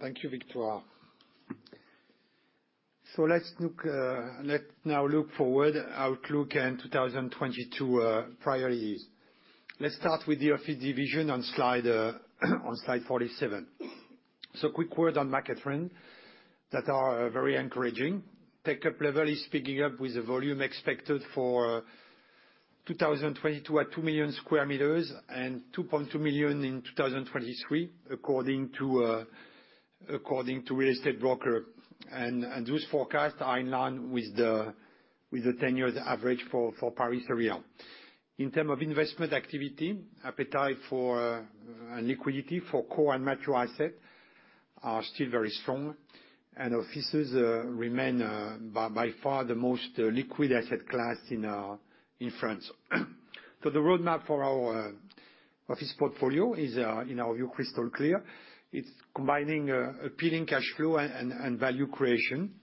Thank you, Victoire. Let's now look forward, outlook and 2022 priorities. Let's start with the office division on slide 47. Quick word on market trends that are very encouraging. Take-up level is picking up with the volume expected for 2022 at 2 million sq m and 2.2 million in 2023, according to real estate broker. And those forecasts are in line with the 10-year average for Paris area. In terms of investment activity, appetite for, and liquidity for core and metro assets are still very strong, and offices remain by far the most liquid asset class in France. The roadmap for our office portfolio is, in our view, crystal clear. It's combining appealing cash flow and value creation.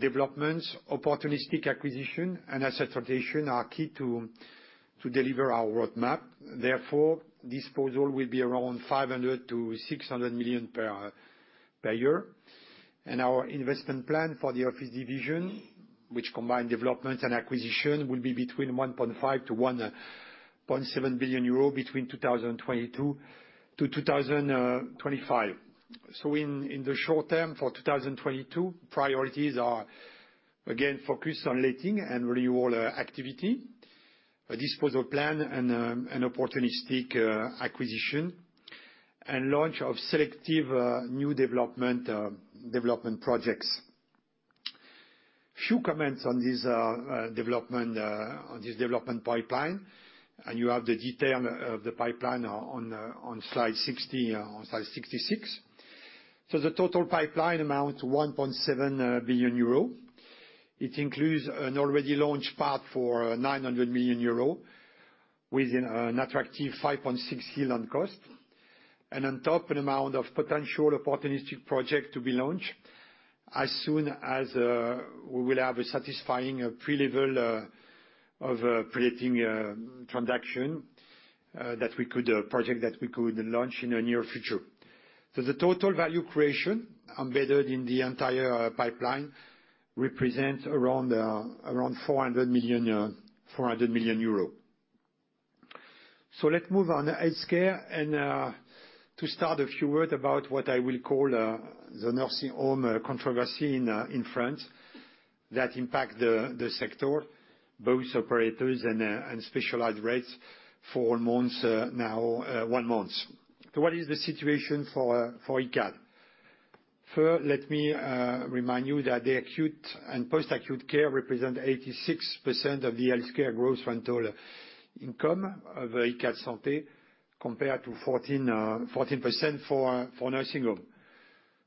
Developments, opportunistic acquisition, and asset rotation are key to deliver our roadmap. Therefore, disposal will be around 500-600 million per year. Our investment plan for the office division, which combine development and acquisition, will be between 1.5-1.7 billion euro between 2022-2025. In the short term for 2022, priorities are again focused on letting and renewal activity, a disposal plan and an opportunistic acquisition, and launch of selective new development projects. Few comments on this development pipeline. You have the detail of the pipeline on slide 66. The total pipeline amount 1.7 billion euro. It includes an already launched part for 900 million euro within an attractive 5.6 yield on cost. On top, an amount of potential opportunistic projects to be launched as soon as we will have a satisfying pre-let level of pre-letting transactions that we could launch in the near future. The total value creation embedded in the entire pipeline represents around EUR 400 million. Let's move on to healthcare and to start a few words about what I will call the nursing home controversy in France that impact the sector, both operators and specialized REITs for months now. What is the situation for Icade? First, let me remind you that the acute and post-acute care represent 86% of the healthcare gross rental income of Icade Santé compared to 14% for nursing home.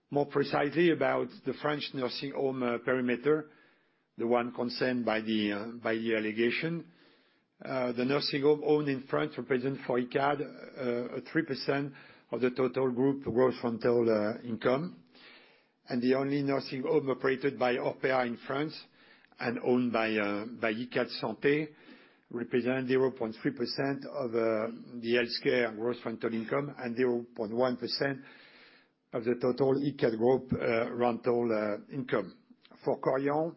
More precisely about the French nursing home perimeter, the one concerned by the allegation. The nursing home owned in France represent for Icade 3% of the total group gross rental income. The only nursing home operated by Orpea in France and owned by Icade Santé represent 0.3% of the healthcare gross rental income and 0.1% of the total Icade group rental income. For Korian,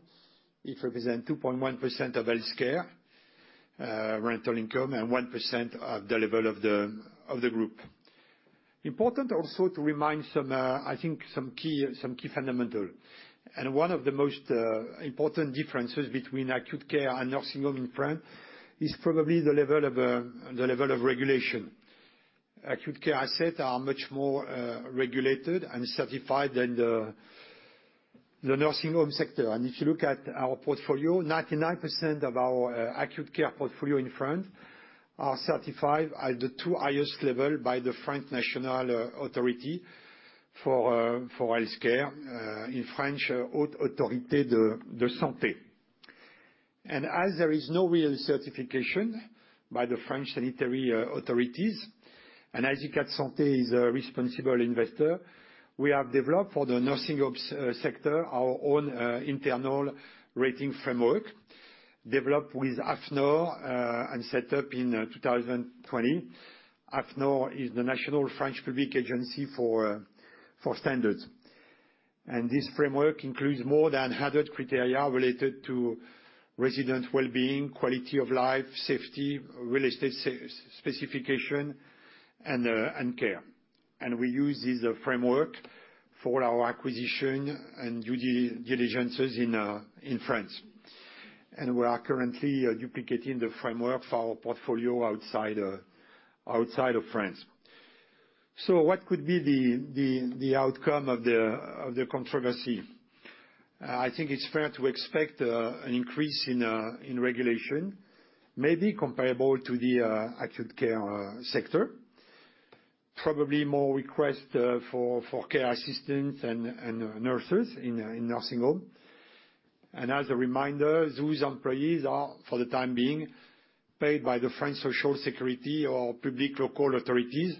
it represent 2.1% of healthcare rental income, and 1% of the level of the group. Important also to remind some, I think some key fundamental, and one of the most important differences between acute care and nursing home in France is probably the level of regulation. Acute care assets are much more regulated and certified than the nursing home sector. If you look at our portfolio, 99% of our acute care portfolio in France are certified at the two highest level by the French national authority for healthcare, in French, Haute Autorité de Santé. As there is no real certification by the French sanitary authorities, and as Icade Santé is a responsible investor, we have developed for the nursing home sector our own internal rating framework, developed with AFNOR and set up in 2020. AFNOR is the national French public agency for standards. This framework includes more than 100 criteria related to resident well-being, quality of life, safety, real estate specifications, and care. We use this framework for our acquisitions and due diligence in France. We are currently duplicating the framework for our portfolio outside of France. What could be the outcome of the controversy? I think it's fair to expect an increase in regulation, maybe comparable to the acute care sector. Probably more requests for care assistants and nurses in nursing homes. As a reminder, those employees are, for the time being, paid by the French Social Security or public local authorities,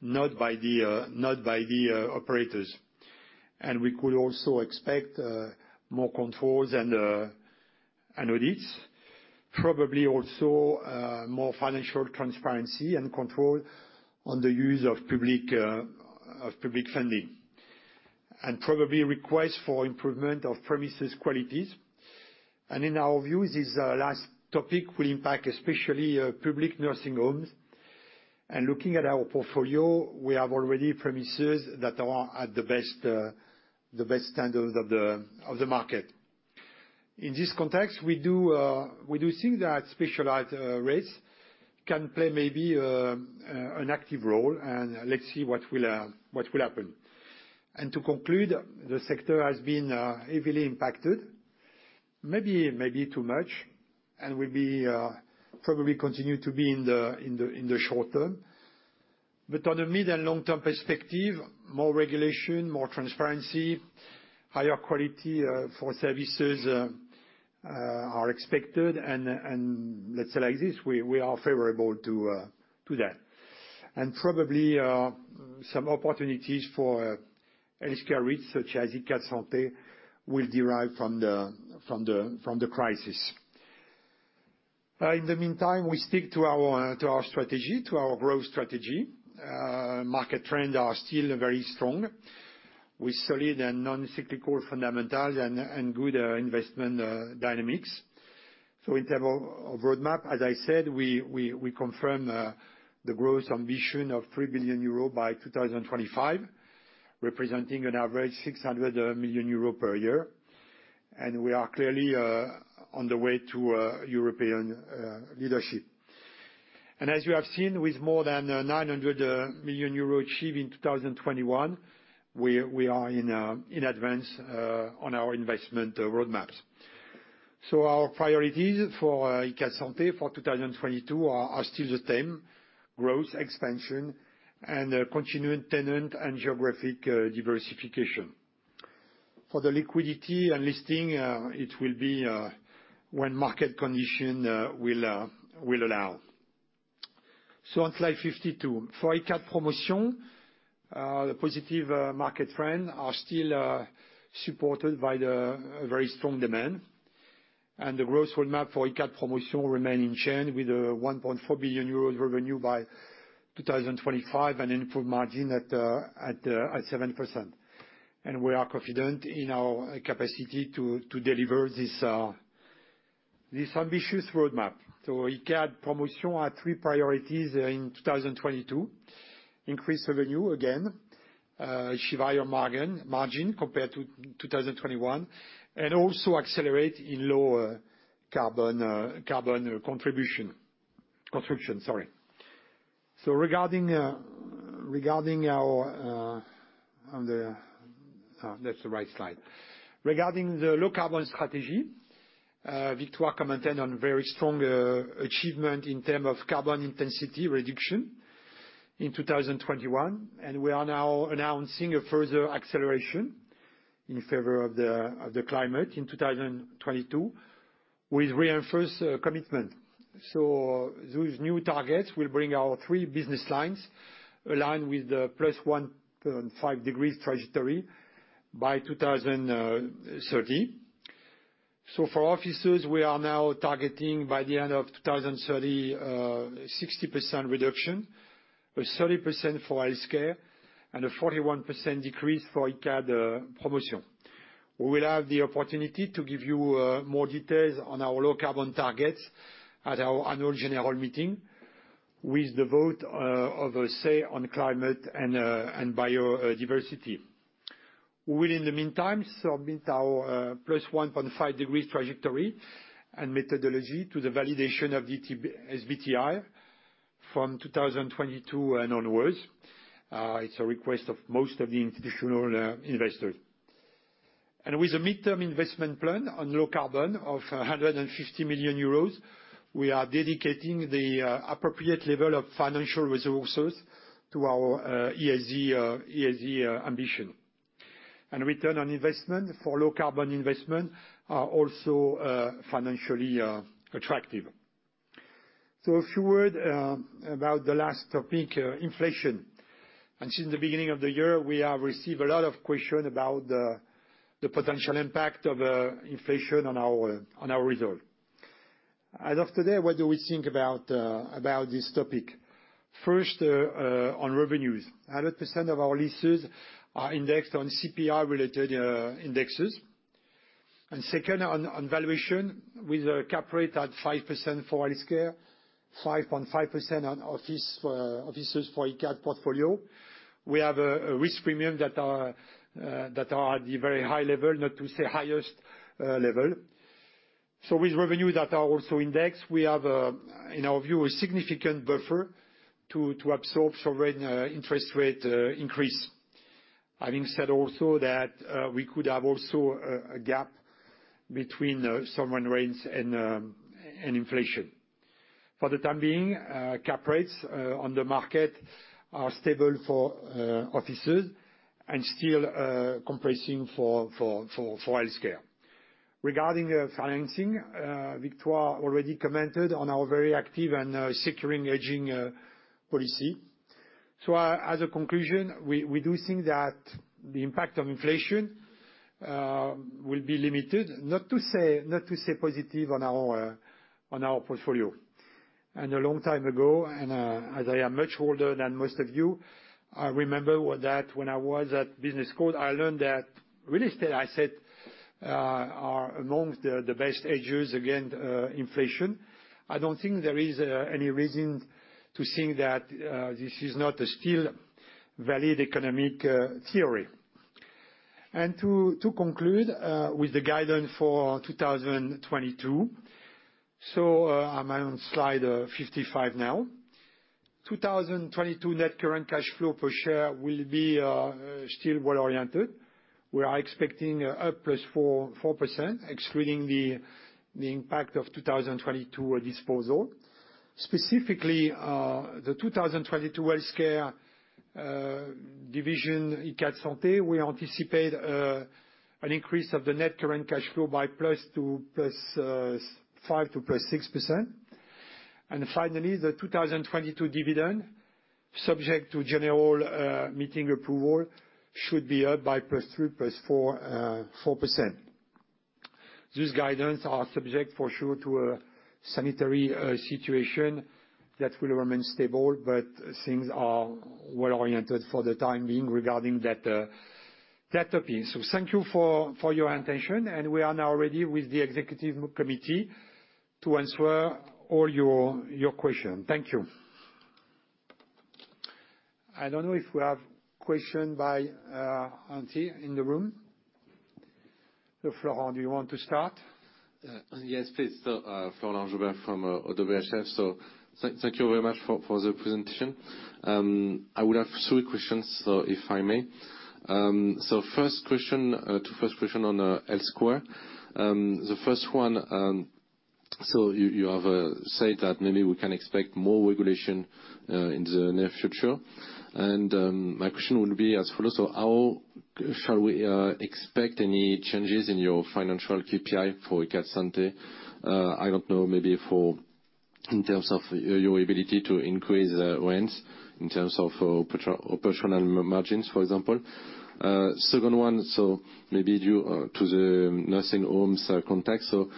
not by the operators. We could also expect more controls and audits, probably also more financial transparency and control on the use of public funding, and probably requests for improvement of premises qualities. In our view, this last topic will impact especially public nursing homes. Looking at our portfolio, we have already premises that are at the best standards of the market. In this context, we do think that specialized rates can play maybe an active role, and let's see what will happen. To conclude, the sector has been heavily impacted, maybe too much, and will probably continue to be in the short term. On the mid- and long-term perspective, more regulation, more transparency, higher quality for services are expected and let's say like this, we are favorable to that. Probably, some opportunities for healthcare REITs such as Icade Santé will derive from the crisis. In the meantime, we stick to our strategy, to our growth strategy. Market trend are still very strong with solid and non-cyclical fundamentals and good investment dynamics. In terms of roadmap, as I said, we confirm the growth ambition of 3 billion euro by 2025, representing an average 600 million euro per year. We are clearly on the way to European leadership. As you have seen with more than 900 million euro achieved in 2021, we are in advance on our investment roadmaps. Our priorities for Icade Santé for 2022 are still the same, growth, expansion, and continued tenant and geographic diversification. For the liquidity and listing, it will be when market condition will allow. On slide 52. For Icade Promotion, the positive market trend are still supported by the very strong demand. The growth roadmap for Icade Promotion will remain in line with 1.4 billion euros revenue by 2025, and improved margin at 7%. We are confident in our capacity to deliver this ambitious roadmap. Icade Promotion had three priorities in 2022. Increase revenue again, margin compared to 2021, and also accelerate in low-carbon construction. Regarding our low-carbon strategy, Victoire commented on very strong achievement in terms of carbon intensity reduction in 2021, and we are now announcing a further acceleration in favor of the climate in 2022 with reinforced commitment. Those new targets will bring our three business lines aligned with the 1.5 degrees trajectory by 2030. For offices, we are now targeting by the end of 2030, 60% reduction, with 30% for healthcare, and a 41% decrease for Icade Promotion. We will have the opportunity to give you more details on our low carbon targets at our annual general meeting with the vote of a Say on Climate and biodiversity. We will in the meantime submit our +1.5 degrees trajectory and methodology to the validation of SBTi from 2022 and onwards. It's a request of most of the institutional investors. With the midterm investment plan on low carbon of 150 million euros, we are dedicating the appropriate level of financial resources to our ESG ambition. Return on investment for low carbon investment are also financially attractive. A few words about the last topic, inflation. Since the beginning of the year, we have received a lot of questions about the potential impact of inflation on our result. As of today, what do we think about this topic? First, on revenues. 100% of our leases are indexed on CPI-related indexes. Second, on valuation with a cap rate at 5% for healthcare, 5.5% on offices for Icade portfolio. We have a risk premium that are at the very high level, not to say highest level. With revenues that are also indexed, we have, in our view, a significant buffer to absorb some rent interest rate increase. Having said also that, we could have also a gap between some rent raise and inflation. For the time being, cap rates on the market are stable for offices and still compressing for healthcare. Regarding the financing, Victoire already commented on our very active and secure hedging policy. As a conclusion, we do think that the impact of inflation will be limited. Not to say positive on our portfolio. A long time ago, as I am much older than most of you, I remember that when I was at business school, I learned that real estate assets are among the best hedges against inflation. I don't think there is any reason to think that this is not a still valid economic theory. To conclude with the guidance for 2022. I'm on slide 55 now. 2022 net current cash flow per share will be still well-oriented. We are expecting up +4%, excluding the impact of 2022 disposal. Specifically, the 2022 healthcare division Icade Santé, we anticipate an increase of the net current cash flow by +5%-+6%. Finally, the 2022 dividend, subject to general meeting approval, should be up by +3%-+4%. These guidance are subject for sure to a sanitary situation that will remain stable, but things are well-oriented for the time being regarding that topic. Thank you for your attention, and we are now ready with the executive committee to answer all your questions. Thank you. I don't know if we have questions by anyone in the room. Florent, do you want to start? Yes, please. Florent Joubert from ODDO BHF. Thank you very much for the presentation. I would have three questions, if I may. First question on healthcare. The first one, you have said that maybe we can expect more regulation in the near future. My question would be as follows. How shall we expect any changes in your financial KPI for Icade Santé? I don't know, maybe fo In terms of your ability to increase rents, in terms of operational margins, for example. Second one, maybe due to the nursing homes context, do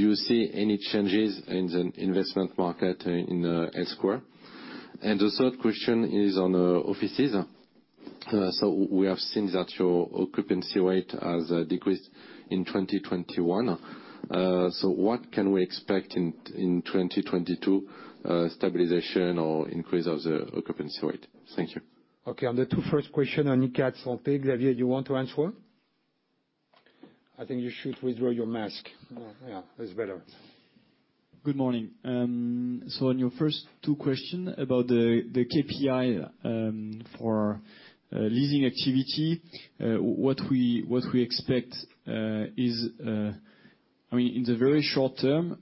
you see any changes in the investment market in Health square? The third question is on offices. We have seen that your occupancy rate has decreased in 2021. What can we expect in 2022, stabilization or increase of the occupancy rate? Thank you. Okay, on the 2 first question on Icade Santé, Xavier, you want to answer? I think you should withdraw your mask. Yeah, it's better. Good morning. On your first two questions about the KPI for leasing activity, what we expect is, I mean, in the very short term,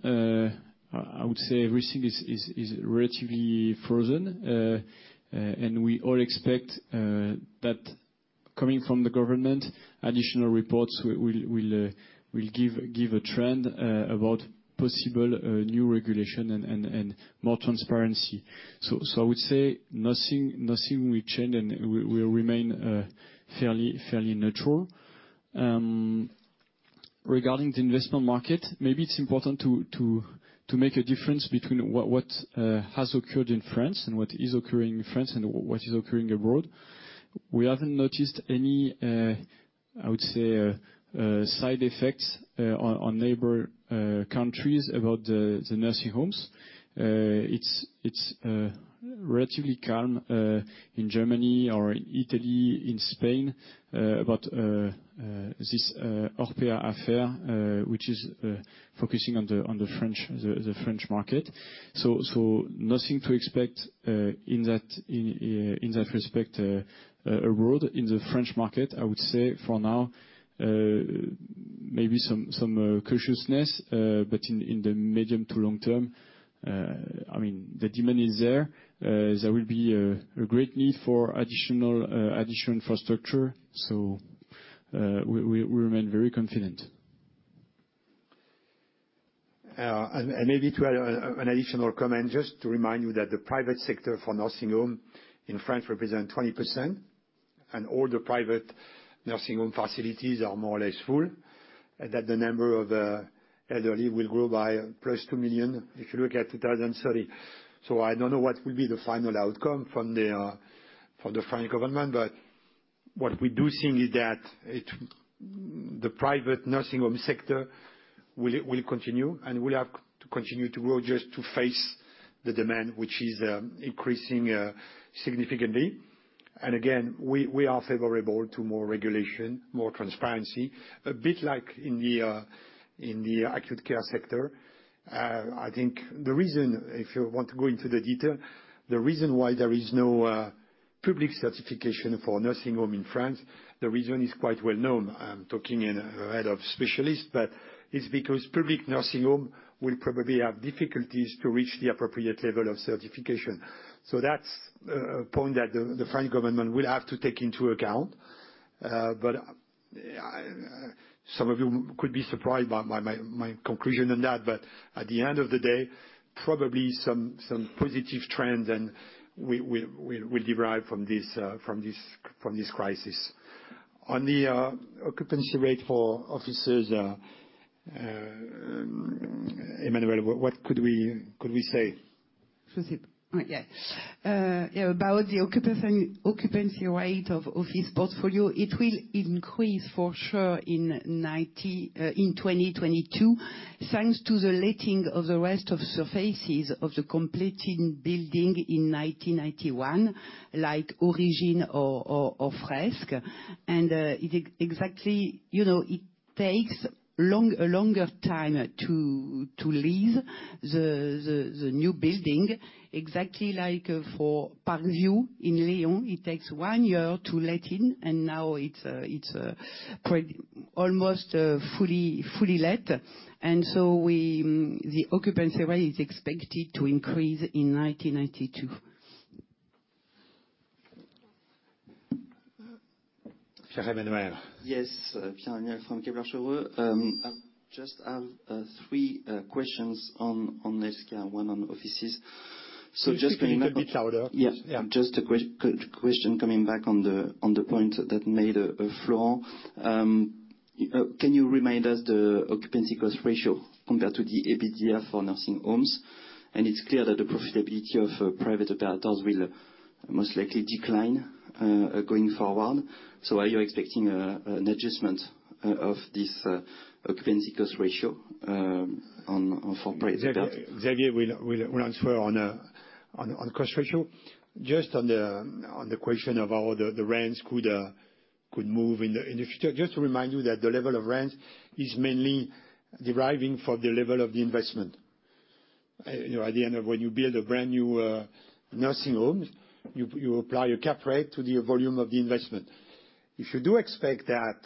I would say everything is relatively frozen. We all expect that coming from the government, additional reports will give a trend about possible new regulation and more transparency. I would say nothing will change, and we remain fairly neutral. Regarding the investment market, maybe it's important to make a difference between what has occurred in France and what is occurring in France and what is occurring abroad. We haven't noticed any, I would say, side effects on neighbor countries about the nursing homes. It's relatively calm in Germany or Italy, in Spain. But this Orpea affair, which is focusing on the French market. Nothing to expect in that respect abroad. In the French market, I would say for now, maybe some cautiousness, but in the medium to long term, I mean, the demand is there. There will be a great need for additional infrastructure. We remain very confident. Maybe to add an additional comment, just to remind you that the private sector for nursing home in France represent 20%, and all the private nursing home facilities are more or less full, and that the number of elderly will grow by +2 million if you look at 2030. I don't know what will be the final outcome from the French government, but what we do think is that the private nursing home sector will continue and will have to continue to grow just to face the demand, which is increasing significantly. Again, we are favorable to more regulation, more transparency, a bit like in the acute care sector. I think the reason, if you want to go into the detail, why there is no public certification for nursing home in France is quite well known. I'm talking ahead of specialists, but it's because public nursing home will probably have difficulties to reach the appropriate level of certification. That's a point that the French government will have to take into account. Some of you could be surprised by my conclusion on that. At the end of the day, probably some positive trends and we derive from this crisis. On the occupancy rate for offices, Emmanuelle, what could we say? About the occupancy rate of the office portfolio, it will increase for sure in 2022, thanks to the letting of the rest of the surfaces of the completed building in 2021, like Origine or FRESK. It exactly, you know, it takes a longer time to lease the new building, exactly like for Park View in Lyon. It takes one year to let in, and now it's almost fully let. The occupancy rate is expected to increase in 2022. Pierre-Emmanuel. Yes, Pierre-Emmanuel from Kepler Cheuvreux. I just have three questions on Health square, one on offices. Just coming back- Please speak a little bit louder. Yeah. Yeah. Just a question coming back on the point that Florent made. Can you remind us the occupancy cost ratio compared to the EBITDA for nursing homes? It's clear that the profitability of private operators will most likely decline going forward. Are you expecting an adjustment of this occupancy cost ratio on for private- Xavier will answer on cost ratio. Just on the question of how the rents could move in the future, just to remind you that the level of rents is mainly deriving from the level of the investment. You know, at the end of when you build a brand-new nursing home, you apply a cap rate to the volume of the investment. If you do expect that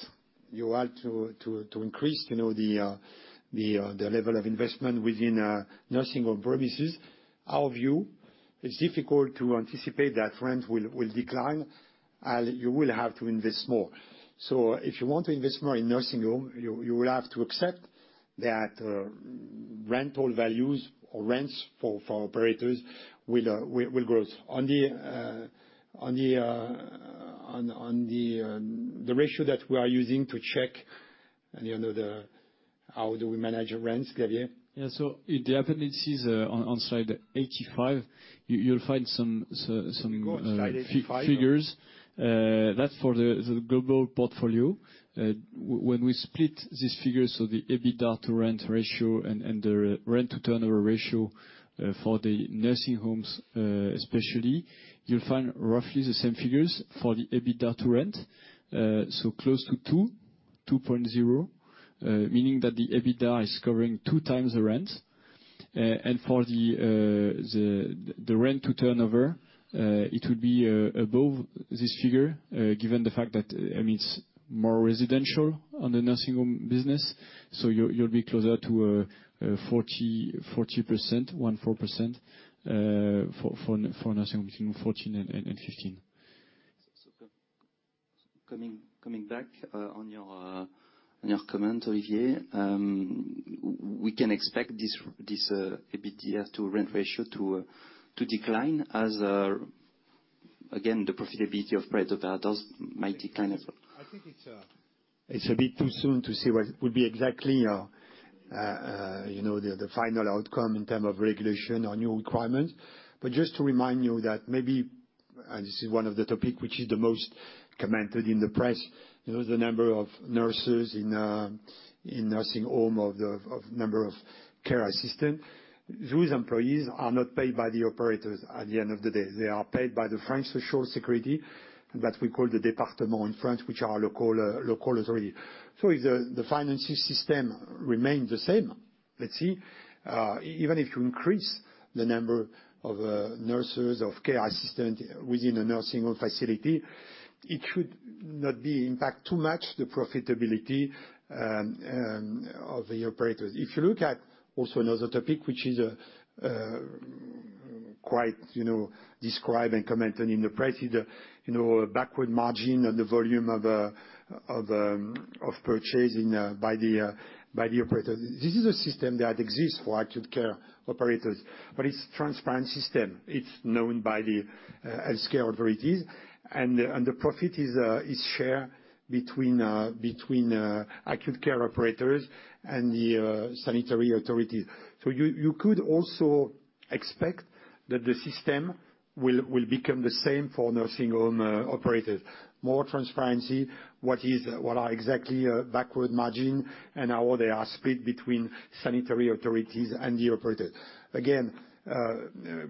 you are to increase you know, the level of investment within nursing home premises, our view. It's difficult to anticipate that rent will decline. You will have to invest more. If you want to invest more in nursing home, you will have to accept that rental values or rents for operators will grow. On the ratio that we are using to check, and you know how do we manage our rents, Xavier? Yeah. It is on slide 85. You'll find some Can you go on slide 85? Figures. That's for the global portfolio. When we split these figures, the EBITDA to rent ratio and the rent to turnover ratio for the nursing homes, especially, you'll find roughly the same figures for the EBITDA to rent. Close to 2.0, meaning that the EBITDA is covering two times the rent. For the rent to turnover, it would be above this figure, given the fact that, I mean, it's more residential on the nursing home business, so you'll be closer to 40%, 14% for nursing between 14 and 15. Coming back on your comment, Olivier, we can expect this EBITDA to rent ratio to decline as, again, the profitability or price of the others might decline as well. I think it's a bit too soon to say what would be exactly, you know, the final outcome in terms of regulation on new requirements. Just to remind you that maybe, and this is one of the topics which is the most commented in the press, you know, the number of nurses in nursing homes or the number of care assistants, those employees are not paid by the operators at the end of the day. They are paid by the French Social Security, that we call the département in France, which are local authority. If the financial system remains the same, let's see, even if you increase the number of nurses or care assistants within a nursing home facility, it should not impact too much the profitability of the operators. If you look at also another topic, which is quite, you know, described and commented in the press, is the backward margin and the volume of purchasing by the operators. This is a system that exists for acute care operators, but it's transparent system. It's known by the healthcare authorities. The profit is shared between acute care operators and the sanitary authority. You could also expect that the system will become the same for nursing home operators. More transparency, what is exactly backward margin and how they are split between sanitary authorities and the operators.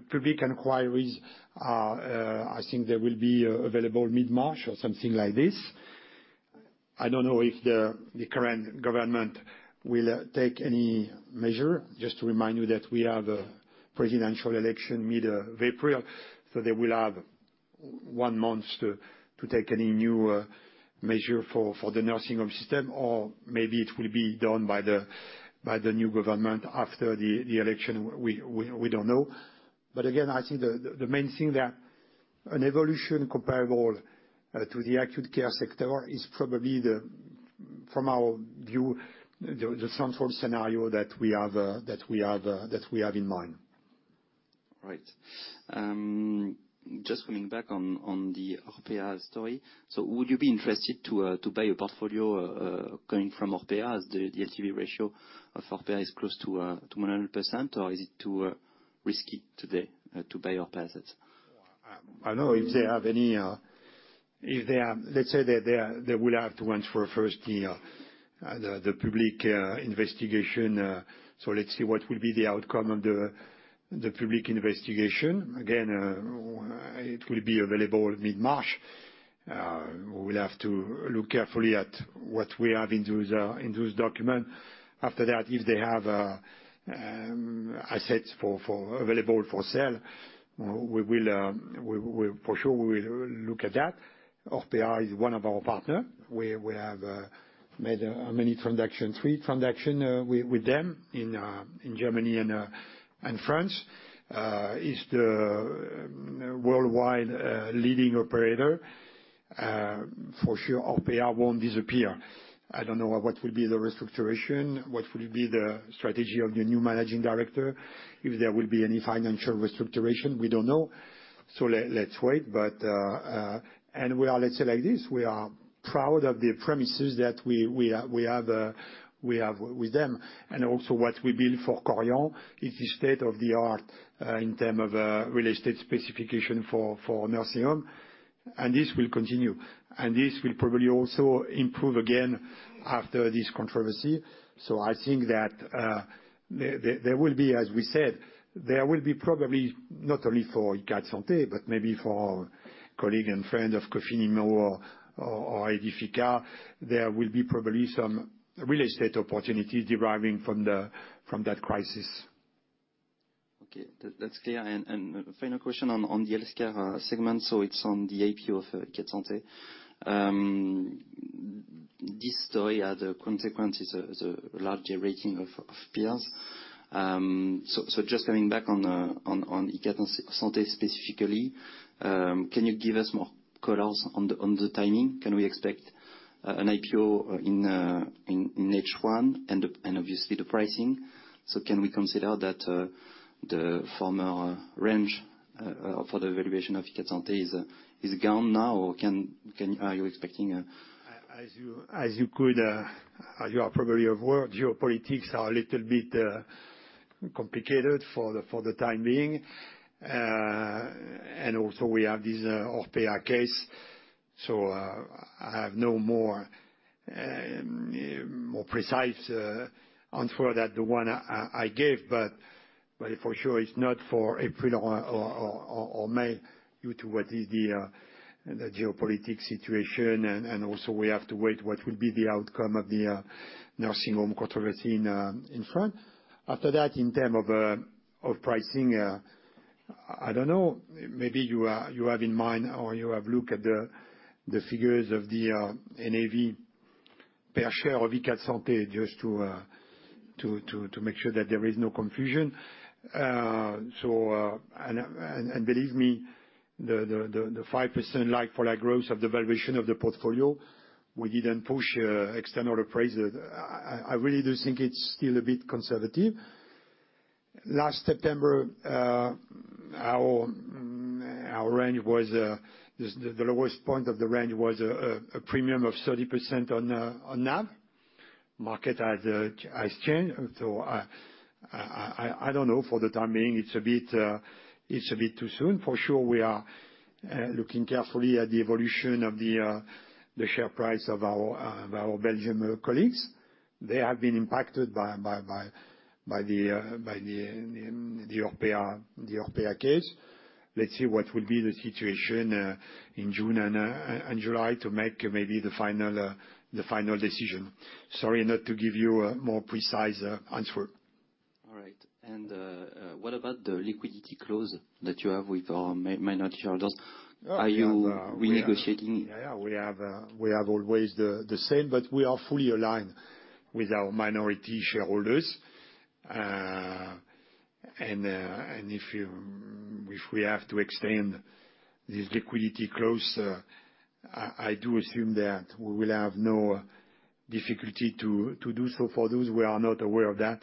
Public inquiries are, I think they will be available mid-March or something like this. I don't know if the current government will take any measure. Just to remind you that we have a presidential election mid-EPRA, so they will have one month to take any new measure for the nursing home system, or maybe it will be done by the new government after the election. We don't know. Again, I think the main thing that an evolution comparable to the acute care sector is probably, from our view, the transform scenario that we have in mind. All right. Just coming back on the Orpea story. Would you be interested to buy a portfolio going from Orpea as the LTV ratio of Orpea is close to 100%, or is it too risky today to buy Orpea assets? I don't know if they have any. Let's say they will have to answer first the public investigation. Let's see what will be the outcome of the public investigation. Again, it will be available mid-March. We'll have to look carefully at what we have in those documents. After that, if they have assets available for sale, we will for sure look at that. Orpea is one of our partners. We have made many transactions, three transactions with them in Germany and France. It's the worldwide leading operator. For sure Orpea won't disappear. I don't know what will be the restructuring, what will be the strategy of the new managing director. If there will be any financial restructure, we don't know. Let's wait. We are, let's say like this, we are proud of the premises that we have with them. Also what we build for Korian, it is state-of-the-art in terms of real estate specification for nursing home, and this will continue. This will probably also improve again after this controversy. I think that there will be, as we said, there will be probably not only for Icade Santé, but maybe for colleagues and friends of Cofinimmo or Aedifica, there will be probably some real estate opportunity deriving from that crisis. Okay. That's clear. Final question on the healthcare segment, it's on the IPO of Icade Santé. This story had a consequence as a larger rating of peers. Just coming back on Icade Santé specifically, can you give us more colors on the timing? Can we expect an IPO in H1 and obviously the pricing? Can we consider that the former range for the valuation of Icade Santé is gone now or are you expecting a- As you are probably aware, geopolitics are a little bit complicated for the time being. We also have this Orpea case, so I have no more precise answer than the one I gave. For sure it's not for EPRA or May due to the geopolitical situation. We also have to wait what will be the outcome of the nursing home controversy in France. After that in terms of pricing, I don't know, maybe you have in mind or you have looked at the figures of the NAV per share of Icade Santé just to make sure that there is no confusion. Believe me, the 5% like-for-like growth of the valuation of the portfolio, we didn't push external appraisal. I really do think it's still a bit conservative. Last September, our range was, the lowest point of the range was a premium of 30% on NAV. Market has changed, so I don't know. For the time being, it's a bit too soon. For sure, we are looking carefully at the evolution of the share price of our Belgian colleagues. They have been impacted by the Orpea case. Let's see what will be the situation in June and July to make maybe the final decision. Sorry not to give you a more precise answer. All right. What about the liquidity clause that you have with minority shareholders? Yeah. We have Are you renegotiating? Yeah, yeah. We have always the same, but we are fully aligned with our minority shareholders. If we have to extend this liquidity clause, I do assume that we will have no difficulty to do so. For those who are not aware of that,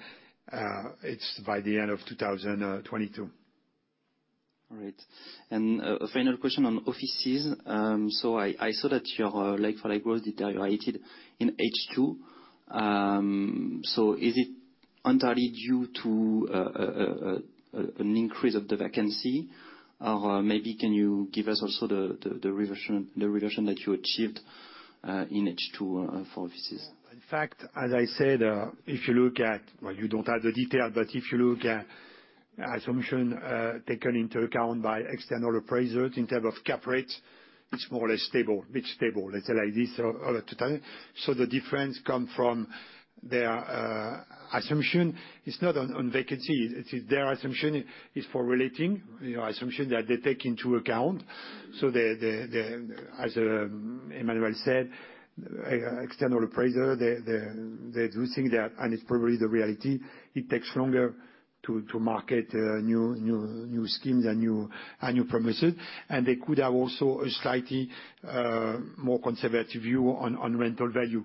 it's by the end of 2022. All right. A final question on offices. I saw that your like-for-like growth deteriorated in H2. Is it entirely due to an increase of the vacancy? Or maybe can you give us also the reversion that you achieved in H2 for offices? In fact, as I said, well, you don't have the detail, but if you look at assumptions taken into account by external appraisers in terms of cap rate, it's more or less stable. It's stable, let's say like this, to tell. The difference comes from their assumptions. It's not on vacancy. It's their assumptions regarding rental, you know, assumptions that they take into account. As Emmanuel said, external appraisers, they do think that, and it's probably the reality, it takes longer to market new schemes and new premises. They could have also a slightly more conservative view on rental value.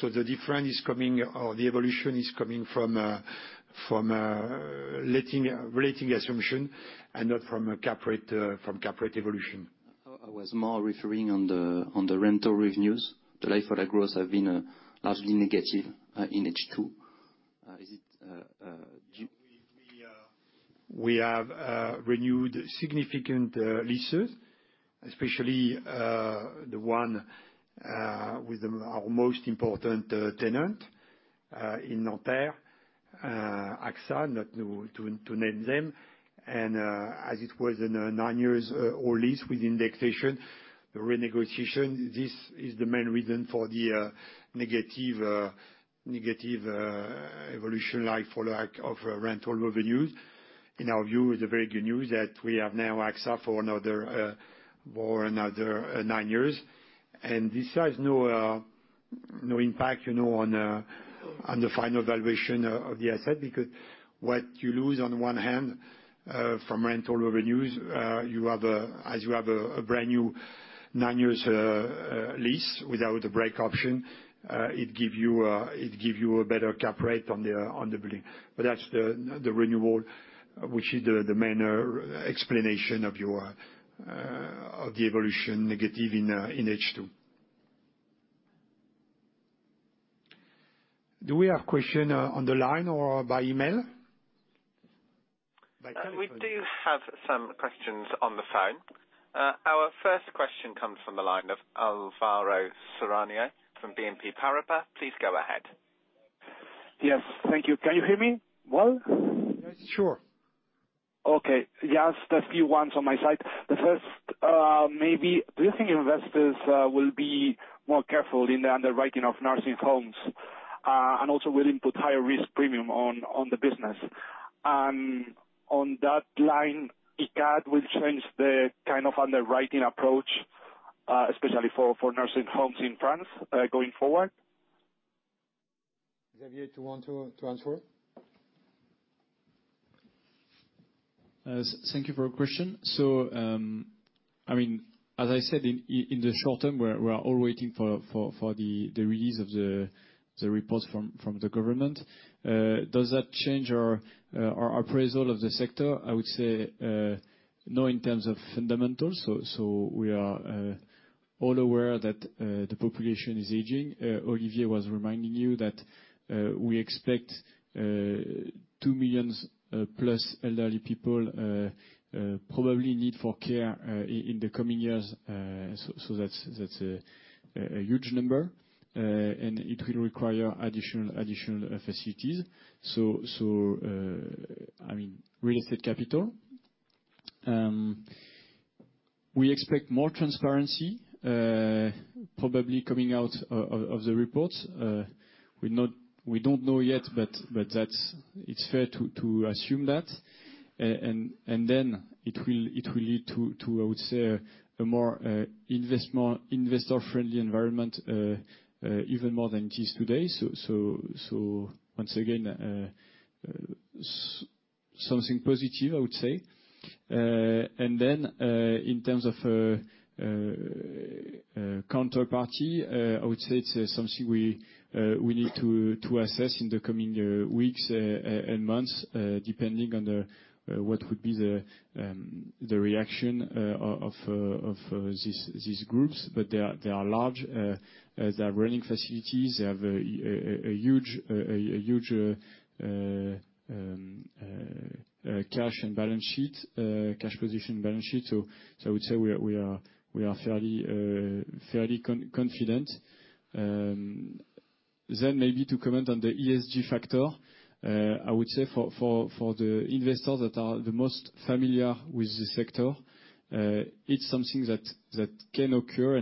The difference is coming or the evolution is coming from letting rental assumption and not from a cap rate evolution. I was more referring on the rental revenues. The like-for-like growth have been largely negative in H2. Yeah. We have renewed significant leases, especially the one with our most important tenant in Nanterre, AXA, not to name them. As it was a 9-year-old lease with indexation, the renegotiation. This is the main reason for the negative like-for-like evolution of rental revenues. In our view, the very good news that we have now AXA for another 9 years. This has no impact, you know, on the final valuation of the asset because what you lose on one hand from rental revenues, you have, as you have, a brand new 9-year lease without a break option, it gives you a better cap rate on the building. That's the renewal, which is the main explanation of the negative evolution in H2. Do we have question on the line or by email? By telephone. We do have some questions on the phone. Our first question comes from the line of Alvaro Serrano from BNP Paribas. Please go ahead. Yes. Thank you. Can you hear me well? Sure. Okay. Just a few questions on my side. The first, maybe do you think investors will be more careful in the underwriting of nursing homes? Also will input higher risk premium on the business. On that line, Icade will change the kind of underwriting approach, especially for nursing homes in France, going forward. Xavier, do you want to answer? Thank you for your question. I mean, as I said, in the short term, we're all waiting for the release of the reports from the government. Does that change our appraisal of the sector? I would say no, in terms of fundamentals. We are all aware that the population is aging. Olivier was reminding you that we expect 2 million plus elderly people who probably need care in the coming years. That's a huge number. It will require additional facilities. I mean, real estate capital. We expect more transparency, probably coming out of the reports. We don't know yet, but that's it. It's fair to assume that. Then it will lead to, I would say, a more investor-friendly environment, even more than it is today. Once again, something positive, I would say. In terms of counterparty, I would say it's something we need to assess in the coming weeks and months, depending on what would be the reaction of these groups. They are large. They're running facilities. They have a huge cash position and balance sheet. I would say we are fairly confident. Maybe to comment on the ESG factor. I would say for the investors that are the most familiar with this sector, it's something that can occur.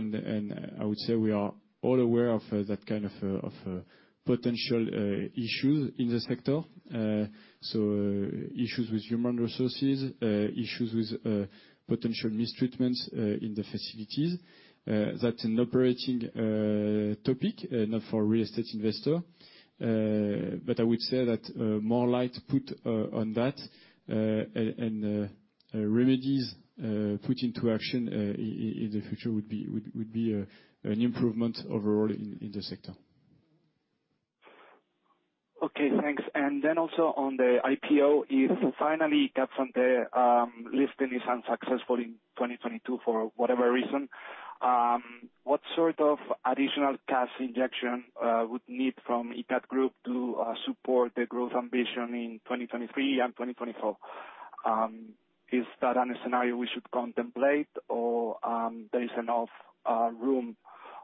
I would say we are all aware of that kind of potential issues in the sector. Issues with human resources, issues with potential mistreatments in the facilities. That's an operating topic not for real estate investor. I would say that more light put on that and remedies put into action in the future would be an improvement overall in the sector. Okay. Thanks. Also on the IPO, if finally Icade Santé listing is unsuccessful in 2022 for whatever reason, what sort of additional cash injection would need from Icade Group to support the growth ambition in 2023 and 2024? Is that a scenario we should contemplate or there is enough room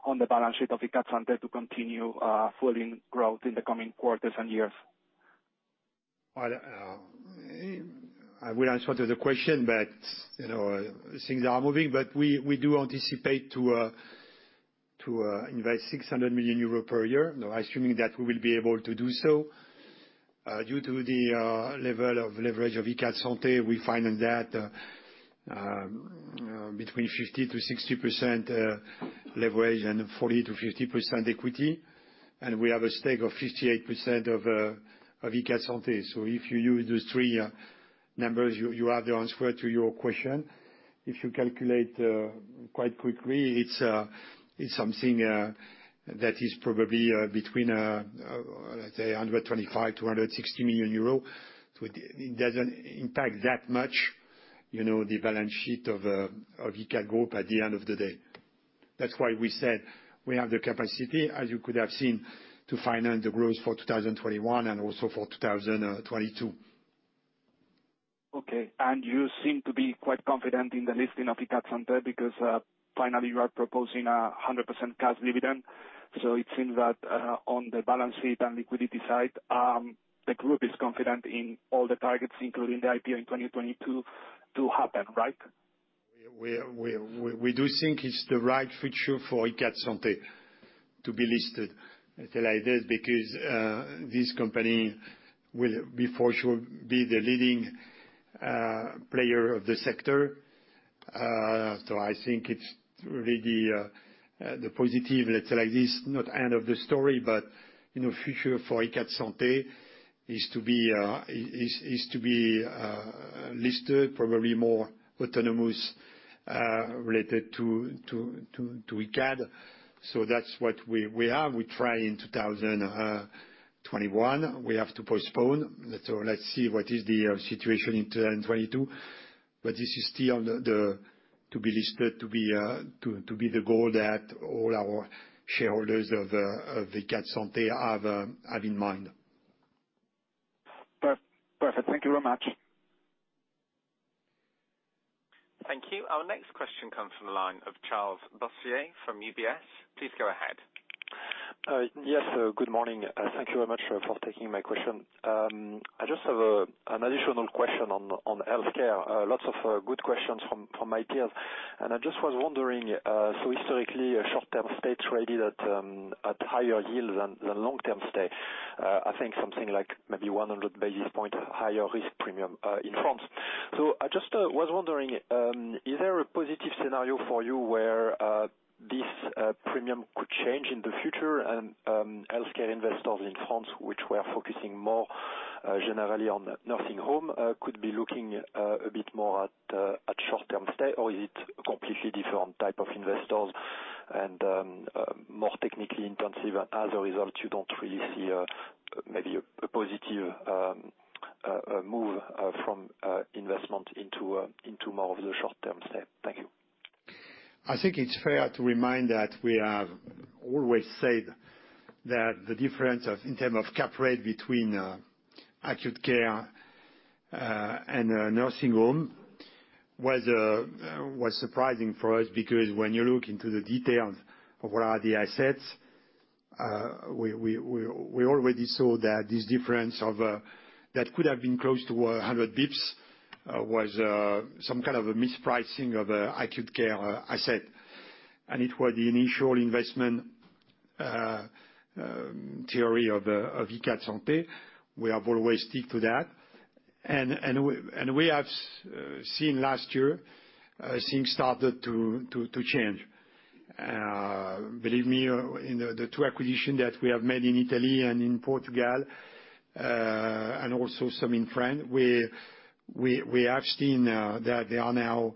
on the balance sheet of Icade Santé to continue fueling growth in the coming quarters and years? Well, I will answer the question, but you know, things are moving. We do anticipate to invest 600 million euro per year, assuming that we will be able to do so due to the level of leverage of Icade Santé. We find that between 50%-60% leverage and 40%-50% equity, and we have a stake of 58% of Icade Santé. If you use those three numbers, you have the answer to your question. If you calculate quite quickly, it's something that is probably between, let's say, 25 million-160 million euro. It doesn't impact that much, you know, the balance sheet of Icade Group at the end of the day. That's why we said we have the capacity, as you could have seen, to finance the growth for 2021 and also for 2022. Okay. You seem to be quite confident in the listing of Icade Santé because finally you are proposing 100% cash dividend. It seems that on the balance sheet and liquidity side the group is confident in all the targets, including the IPO in 2022 to happen, right? We do think it's the right future for Icade Santé to be listed like this because this company will for sure be the leading player of the sector. I think it's really a positive, let's say like this, not the end of the story, but you know, future for Icade Santé is to be listed probably more autonomous related to Icade. That's what we have. We try in 2021. We have to postpone. Let's see what is the situation in 2022. This is still the goal that all our shareholders of Icade Santé have in mind. Perfect. Thank you very much. Thank you. Our next question comes from the line of Charles Boissier from UBS. Please go ahead. Yes, good morning. Thank you very much for taking my question. I just have an additional question on healthcare. Lots of good questions from my peers. I just was wondering, so historically a short-term stay traded at higher yield than long-term stay. I think something like maybe 100 basis points higher risk premium in France. I just was wondering, is there a positive scenario for you where this premium could change in the future and healthcare investors in France which were focusing more generally on nursing home could be looking a bit more at short-term stay, or is it completely different type of investors and more technically intensive as a result, you don't really see a maybe a positive move from investment into more of the short-term stay? Thank you. I think it's fair to remind that we have always said that the difference of, in term of cap rate between, acute care, and a nursing home was surprising for us because when you look into the details of what are the assets, we already saw that this difference of that could have been close to 100 basis points was some kind of a mispricing of a acute care asset. It was the initial investment theory of Icade Santé. We have always stick to that. We have seen last year things started to change. Believe me, in the two acquisitions that we have made in Italy and in Portugal, and also some in France, we have seen that they are now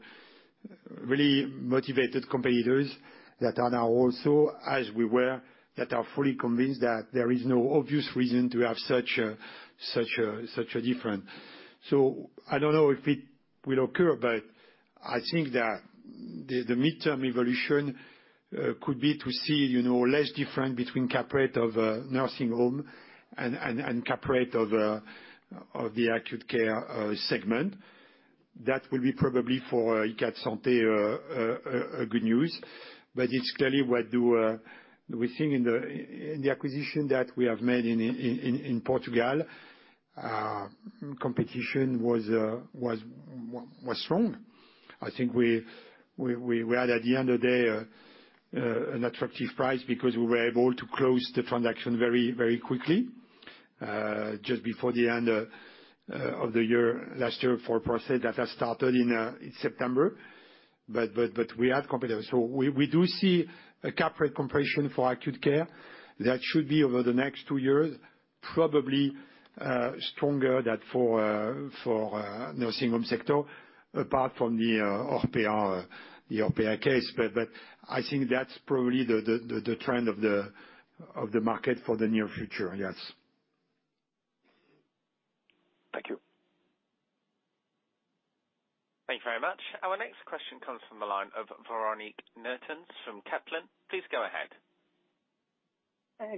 really motivated competitors that are now also, as we were, that are fully convinced that there is no obvious reason to have such a difference. I don't know if it will occur, but I think that the mid-term evolution could be to see, you know, less difference between cap rate of nursing home and cap rate of the acute care segment. That will be probably for Icade Santé a good news. It's clearly what we're seeing in the acquisition that we have made in Portugal. Competition was strong. I think we had at the end of the day an attractive price because we were able to close the transaction very quickly just before the end of the year last year for a process that has started in September. We had competitors. We do see a cap rate compression for acute care that should be over the next two years, probably stronger than for the nursing home sector, apart from the Orpea case. I think that's probably the trend of the market for the near future. Yes. Thank you. Thank you very much. Our next question comes from the line of Véronique Meertens from Kepler. Please go ahead.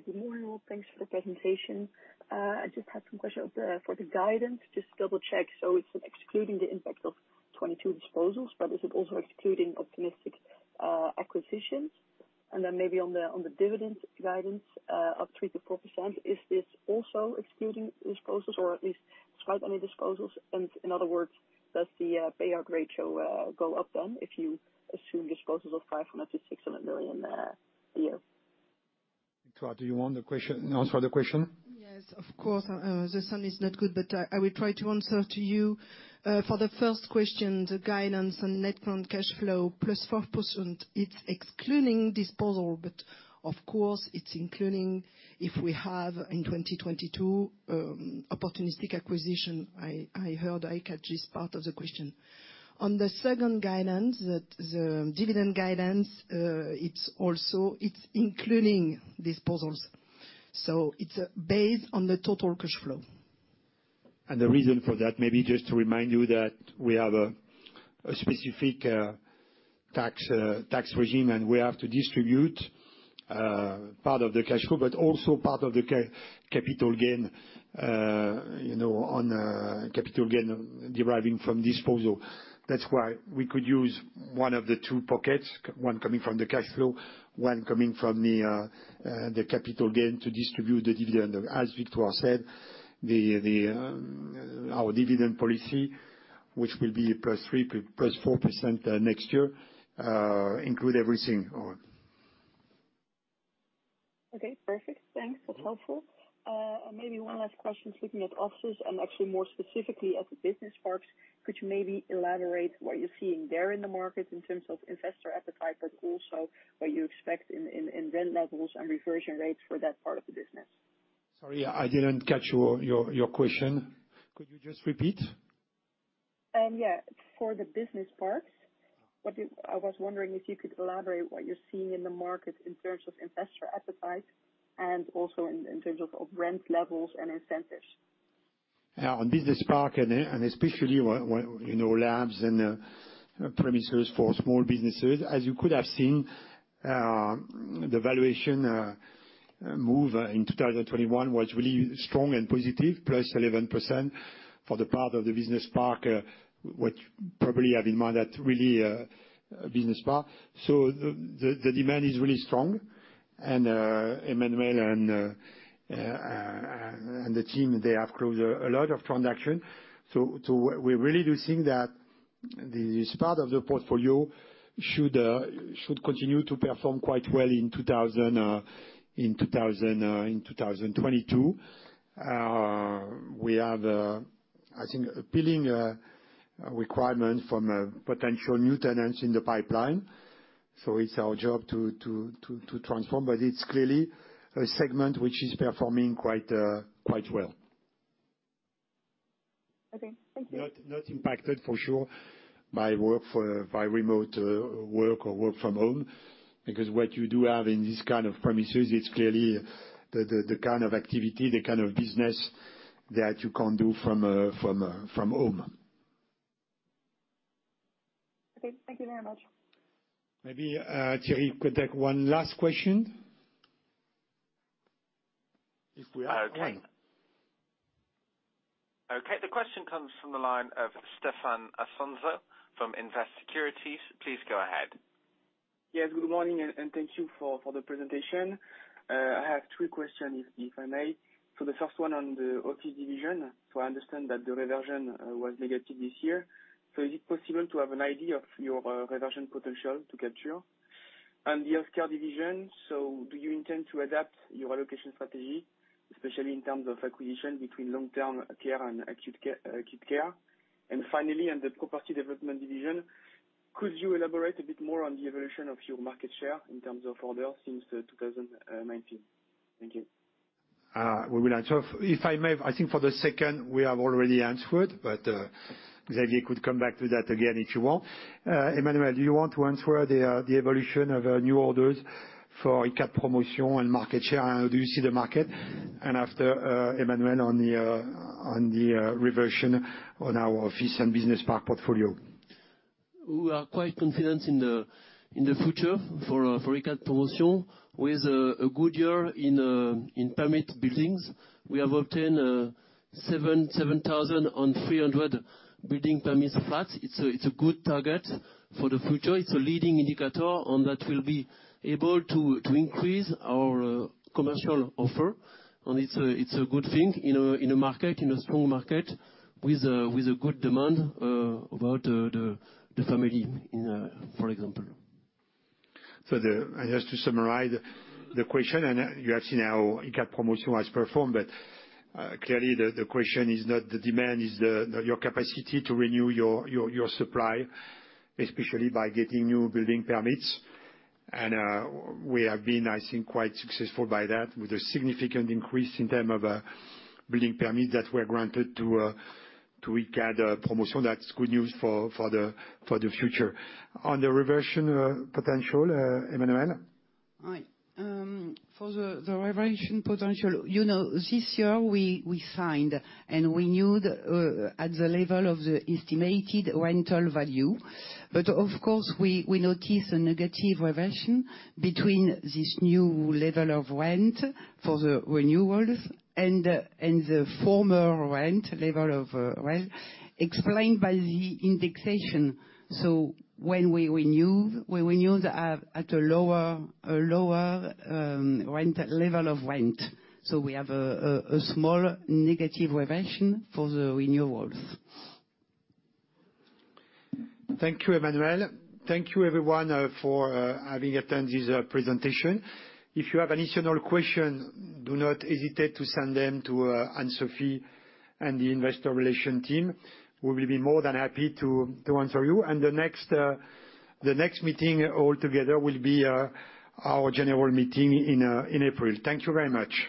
Good morning, all. Thanks for the presentation. I just had some questions for the guidance. Just double check, so it's excluding the impact of 2022 disposals, but is it also excluding opportunistic acquisitions? And then maybe on the dividend guidance of 3%-4%, is this also excluding disposals or at least despite any disposals? And in other words, does the payout ratio go up then if you assume disposals of 500 million-600 million a year? Victoire, do you want the question? Answer the question? Yes, of course. The sound is not good, but I will try to answer to you. For the first question, the guidance on net current cash flow plus 4%, it's excluding disposal, but of course it's including if we have in 2022 opportunistic acquisition. I heard Icade is part of the question. On the second guidance, the dividend guidance, it's also including disposals. It's based on the total cash flow. The reason for that, maybe just to remind you that we have a specific tax regime, and we have to distribute part of the cash flow, but also part of the capital gain, you know, on capital gain deriving from disposal. That's why we could use one of the two pockets, one coming from the cash flow, one coming from the capital gain to distribute the dividend. As Victoire said, our dividend policy, which will be a plus 3, plus 4% next year, include everything. Okay, perfect. Thanks. That's helpful. Maybe one last question looking at offices and actually more specifically at the business parks. Could you maybe elaborate what you're seeing there in the market in terms of investor appetite, but also what you expect in rent levels and reversion rates for that part of the business? Sorry, I didn't catch your question. Could you just repeat? For the business parks, I was wondering if you could elaborate what you're seeing in the market in terms of investor appetite and also in terms of rent levels and incentives. On business park and especially when you know labs and premises for small businesses, as you could have seen, the valuation move in 2021 was really strong and positive, +11%. For the part of the business park, what you probably have in mind that really a business park. So the demand is really strong, and Emmanuel and the team they have closed a lot of transactions. So we really do think that this part of the portfolio should continue to perform quite well in 2022. We have, I think, appealing requirements from potential new tenants in the pipeline. It's our job to transform, but it's clearly a segment which is performing quite well. Okay, thank you. Not impacted for sure by remote work or work from home. Because what you do have in this kind of premises, it's clearly the kind of activity, the kind of business that you can't do from home. Okay, thank you very much. Maybe, Jerry could take one last question. If we have one. Okay, the question comes from the line of Stéphane Afonso from Invest Securities. Please go ahead. Yes, good morning and thank you for the presentation. I have three questions if I may. The first one on the office division. I understand that the reversion was negative this year. Is it possible to have an idea of your reversion potential to capture? And the healthcare division, do you intend to adapt your allocation strategy, especially in terms of acquisition between long-term care and acute care? And finally, on the property development division, could you elaborate a bit more on the evolution of your market share in terms of orders since 2019? Thank you. We will answer. If I may, I think for the second, we have already answered, but Xavier could come back to that again, if you want. Emmanuel, do you want to answer the evolution of new orders for Icade Promotion and market share, and how do you see the market? After Emmanuel on the reversion on our office and business park portfolio. We are quite confident in the future for Icade Promotion with a good year in building permits. We have obtained 7,300 building permits flats. It's a good target for the future. It's a leading indicator and that will be able to increase our commercial offer. It's a good thing in a strong market with a good demand about the family, for example. Just to summarize the question, you have seen how Icade Promotion has performed. Clearly the question is not the demand, your capacity to renew your supply, especially by getting new building permits. We have been, I think, quite successful by that, with a significant increase in terms of building permits that were granted to Icade Promotion. That's good news for the future. On the reversion potential, Emmanuel. All right. For the reversion potential, you know, this year we signed and renewed at the level of the estimated rental value. Of course, we notice a negative reversion between this new level of rent for the renewals and the former rent level of rent, explained by the indexation. When we renew, we renew at a lower rent level of rent. We have a small negative reversion for the renewals. Thank you, Emmanuel. Thank you everyone for having attended this presentation. If you have any additional questions, do not hesitate to send them to Anne-Sophie and the investor relations team. We will be more than happy to answer you. The next meeting all together will be our general meeting in EPRA. Thank you very much.